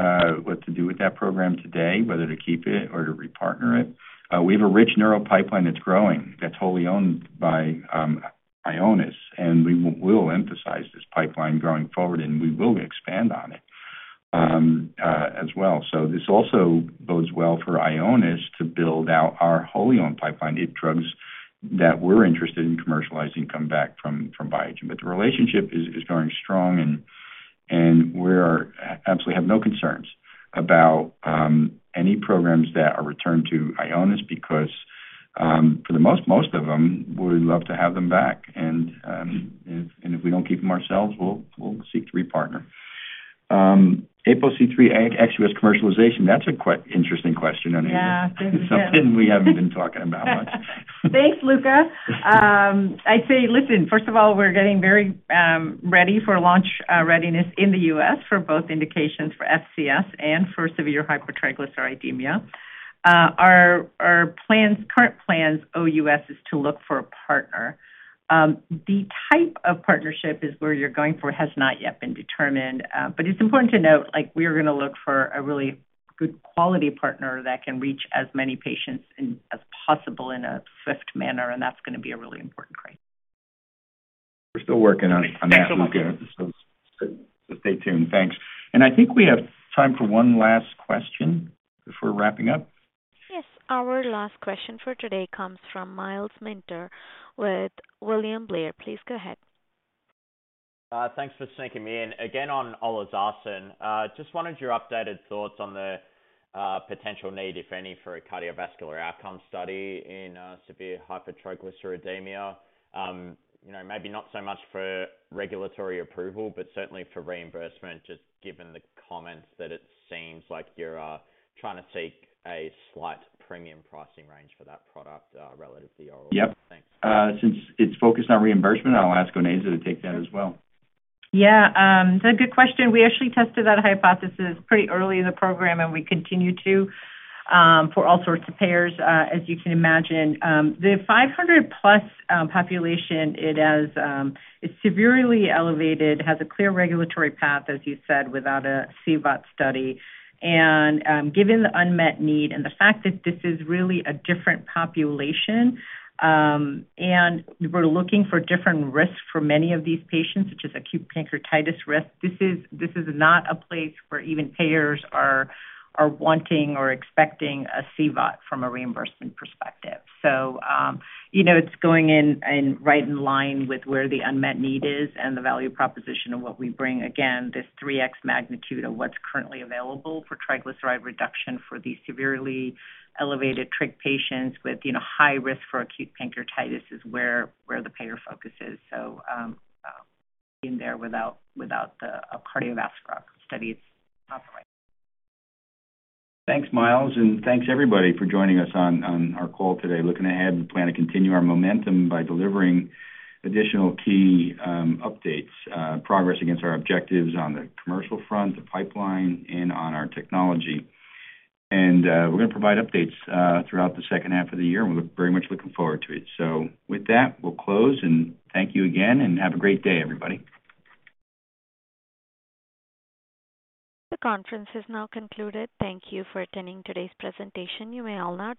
what to do with that program today, whether to keep it or to repartner it. We have a rich neuro pipeline that's growing, that's wholly owned by Ionis, and we will emphasize this pipeline growing forward, and we will expand on it as well. This also bodes well for Ionis to build out our wholly owned pipeline. If drugs that we're interested in commercializing come back from Biogen. The relationship is going strong and we absolutely have no concerns about any programs that are returned to Ionis because for the most of them, we love to have them back. If we don't keep them ourselves, we'll seek to repartner. APOC3 ex-U.S. commercialization, that's a quite interesting question, Oneza. Yeah. Something we haven't been talking about much. Thanks, Luca. I'd say, listen, first of all, we're getting very ready for launch readiness in the U.S. for both indications for FCS and for severe hypertriglyceridemia. Our, our plans, current plans OUS is to look for a partner. The type of partnership is where you're going for has not yet been determined, but it's important to note like we're gonna look for a really good quality partner that can reach as many patients as possible in a swift manner, and that's gonna be a really important criteria. We're still working on it. Thanks so much. Stay tuned. Thanks. I think we have time for one last question before wrapping up. Yes. Our last question for today comes from Myles Minter with William Blair. Please go ahead. Thanks for sneaking me in. Again on olezarsen, just wanted your updated thoughts on the potential need, if any, for a cardiovascular outcome study in severe hypertriglyceridemia. You know, maybe not so much for regulatory approval, but certainly for reimbursement, just given the comments that it seems like you're trying to seek a slight premium pricing range for that product, relative to your- Yep. Thanks. Since it's focused on reimbursement, I'll ask Oneza to take that as well. Yeah. It's a good question. We actually tested that hypothesis pretty early in the program, and we continue to, for all sorts of payers, as you can imagine. The 500 plus population it has is severely elevated, has a clear regulatory path, as you said, without a CVOT study. Given the unmet need and the fact that this is really a different population, and we're looking for different risks for many of these patients, such as acute pancreatitis risk, this is not a place where even payers are wanting or expecting a CVOT from a reimbursement perspective. you know, it's going right in line with where the unmet need is and the value proposition of what we bring. This 3x magnitude of what's currently available for triglyceride reduction for these severely elevated trig patients with, you know, high risk for acute pancreatitis is where the payer focus is. In there without a cardiovascular study is not the right way. Thanks, Myles, thanks everybody for joining us on our call today. Looking ahead, we plan to continue our momentum by delivering additional key updates, progress against our objectives on the commercial front, the pipeline, and on our technology. We're gonna provide updates throughout the second half of the year. We're very much looking forward to it. With that, we'll close and thank you again and have a great day, everybody. The conference is now concluded. Thank you for attending today's presentation. You may all now disconnect.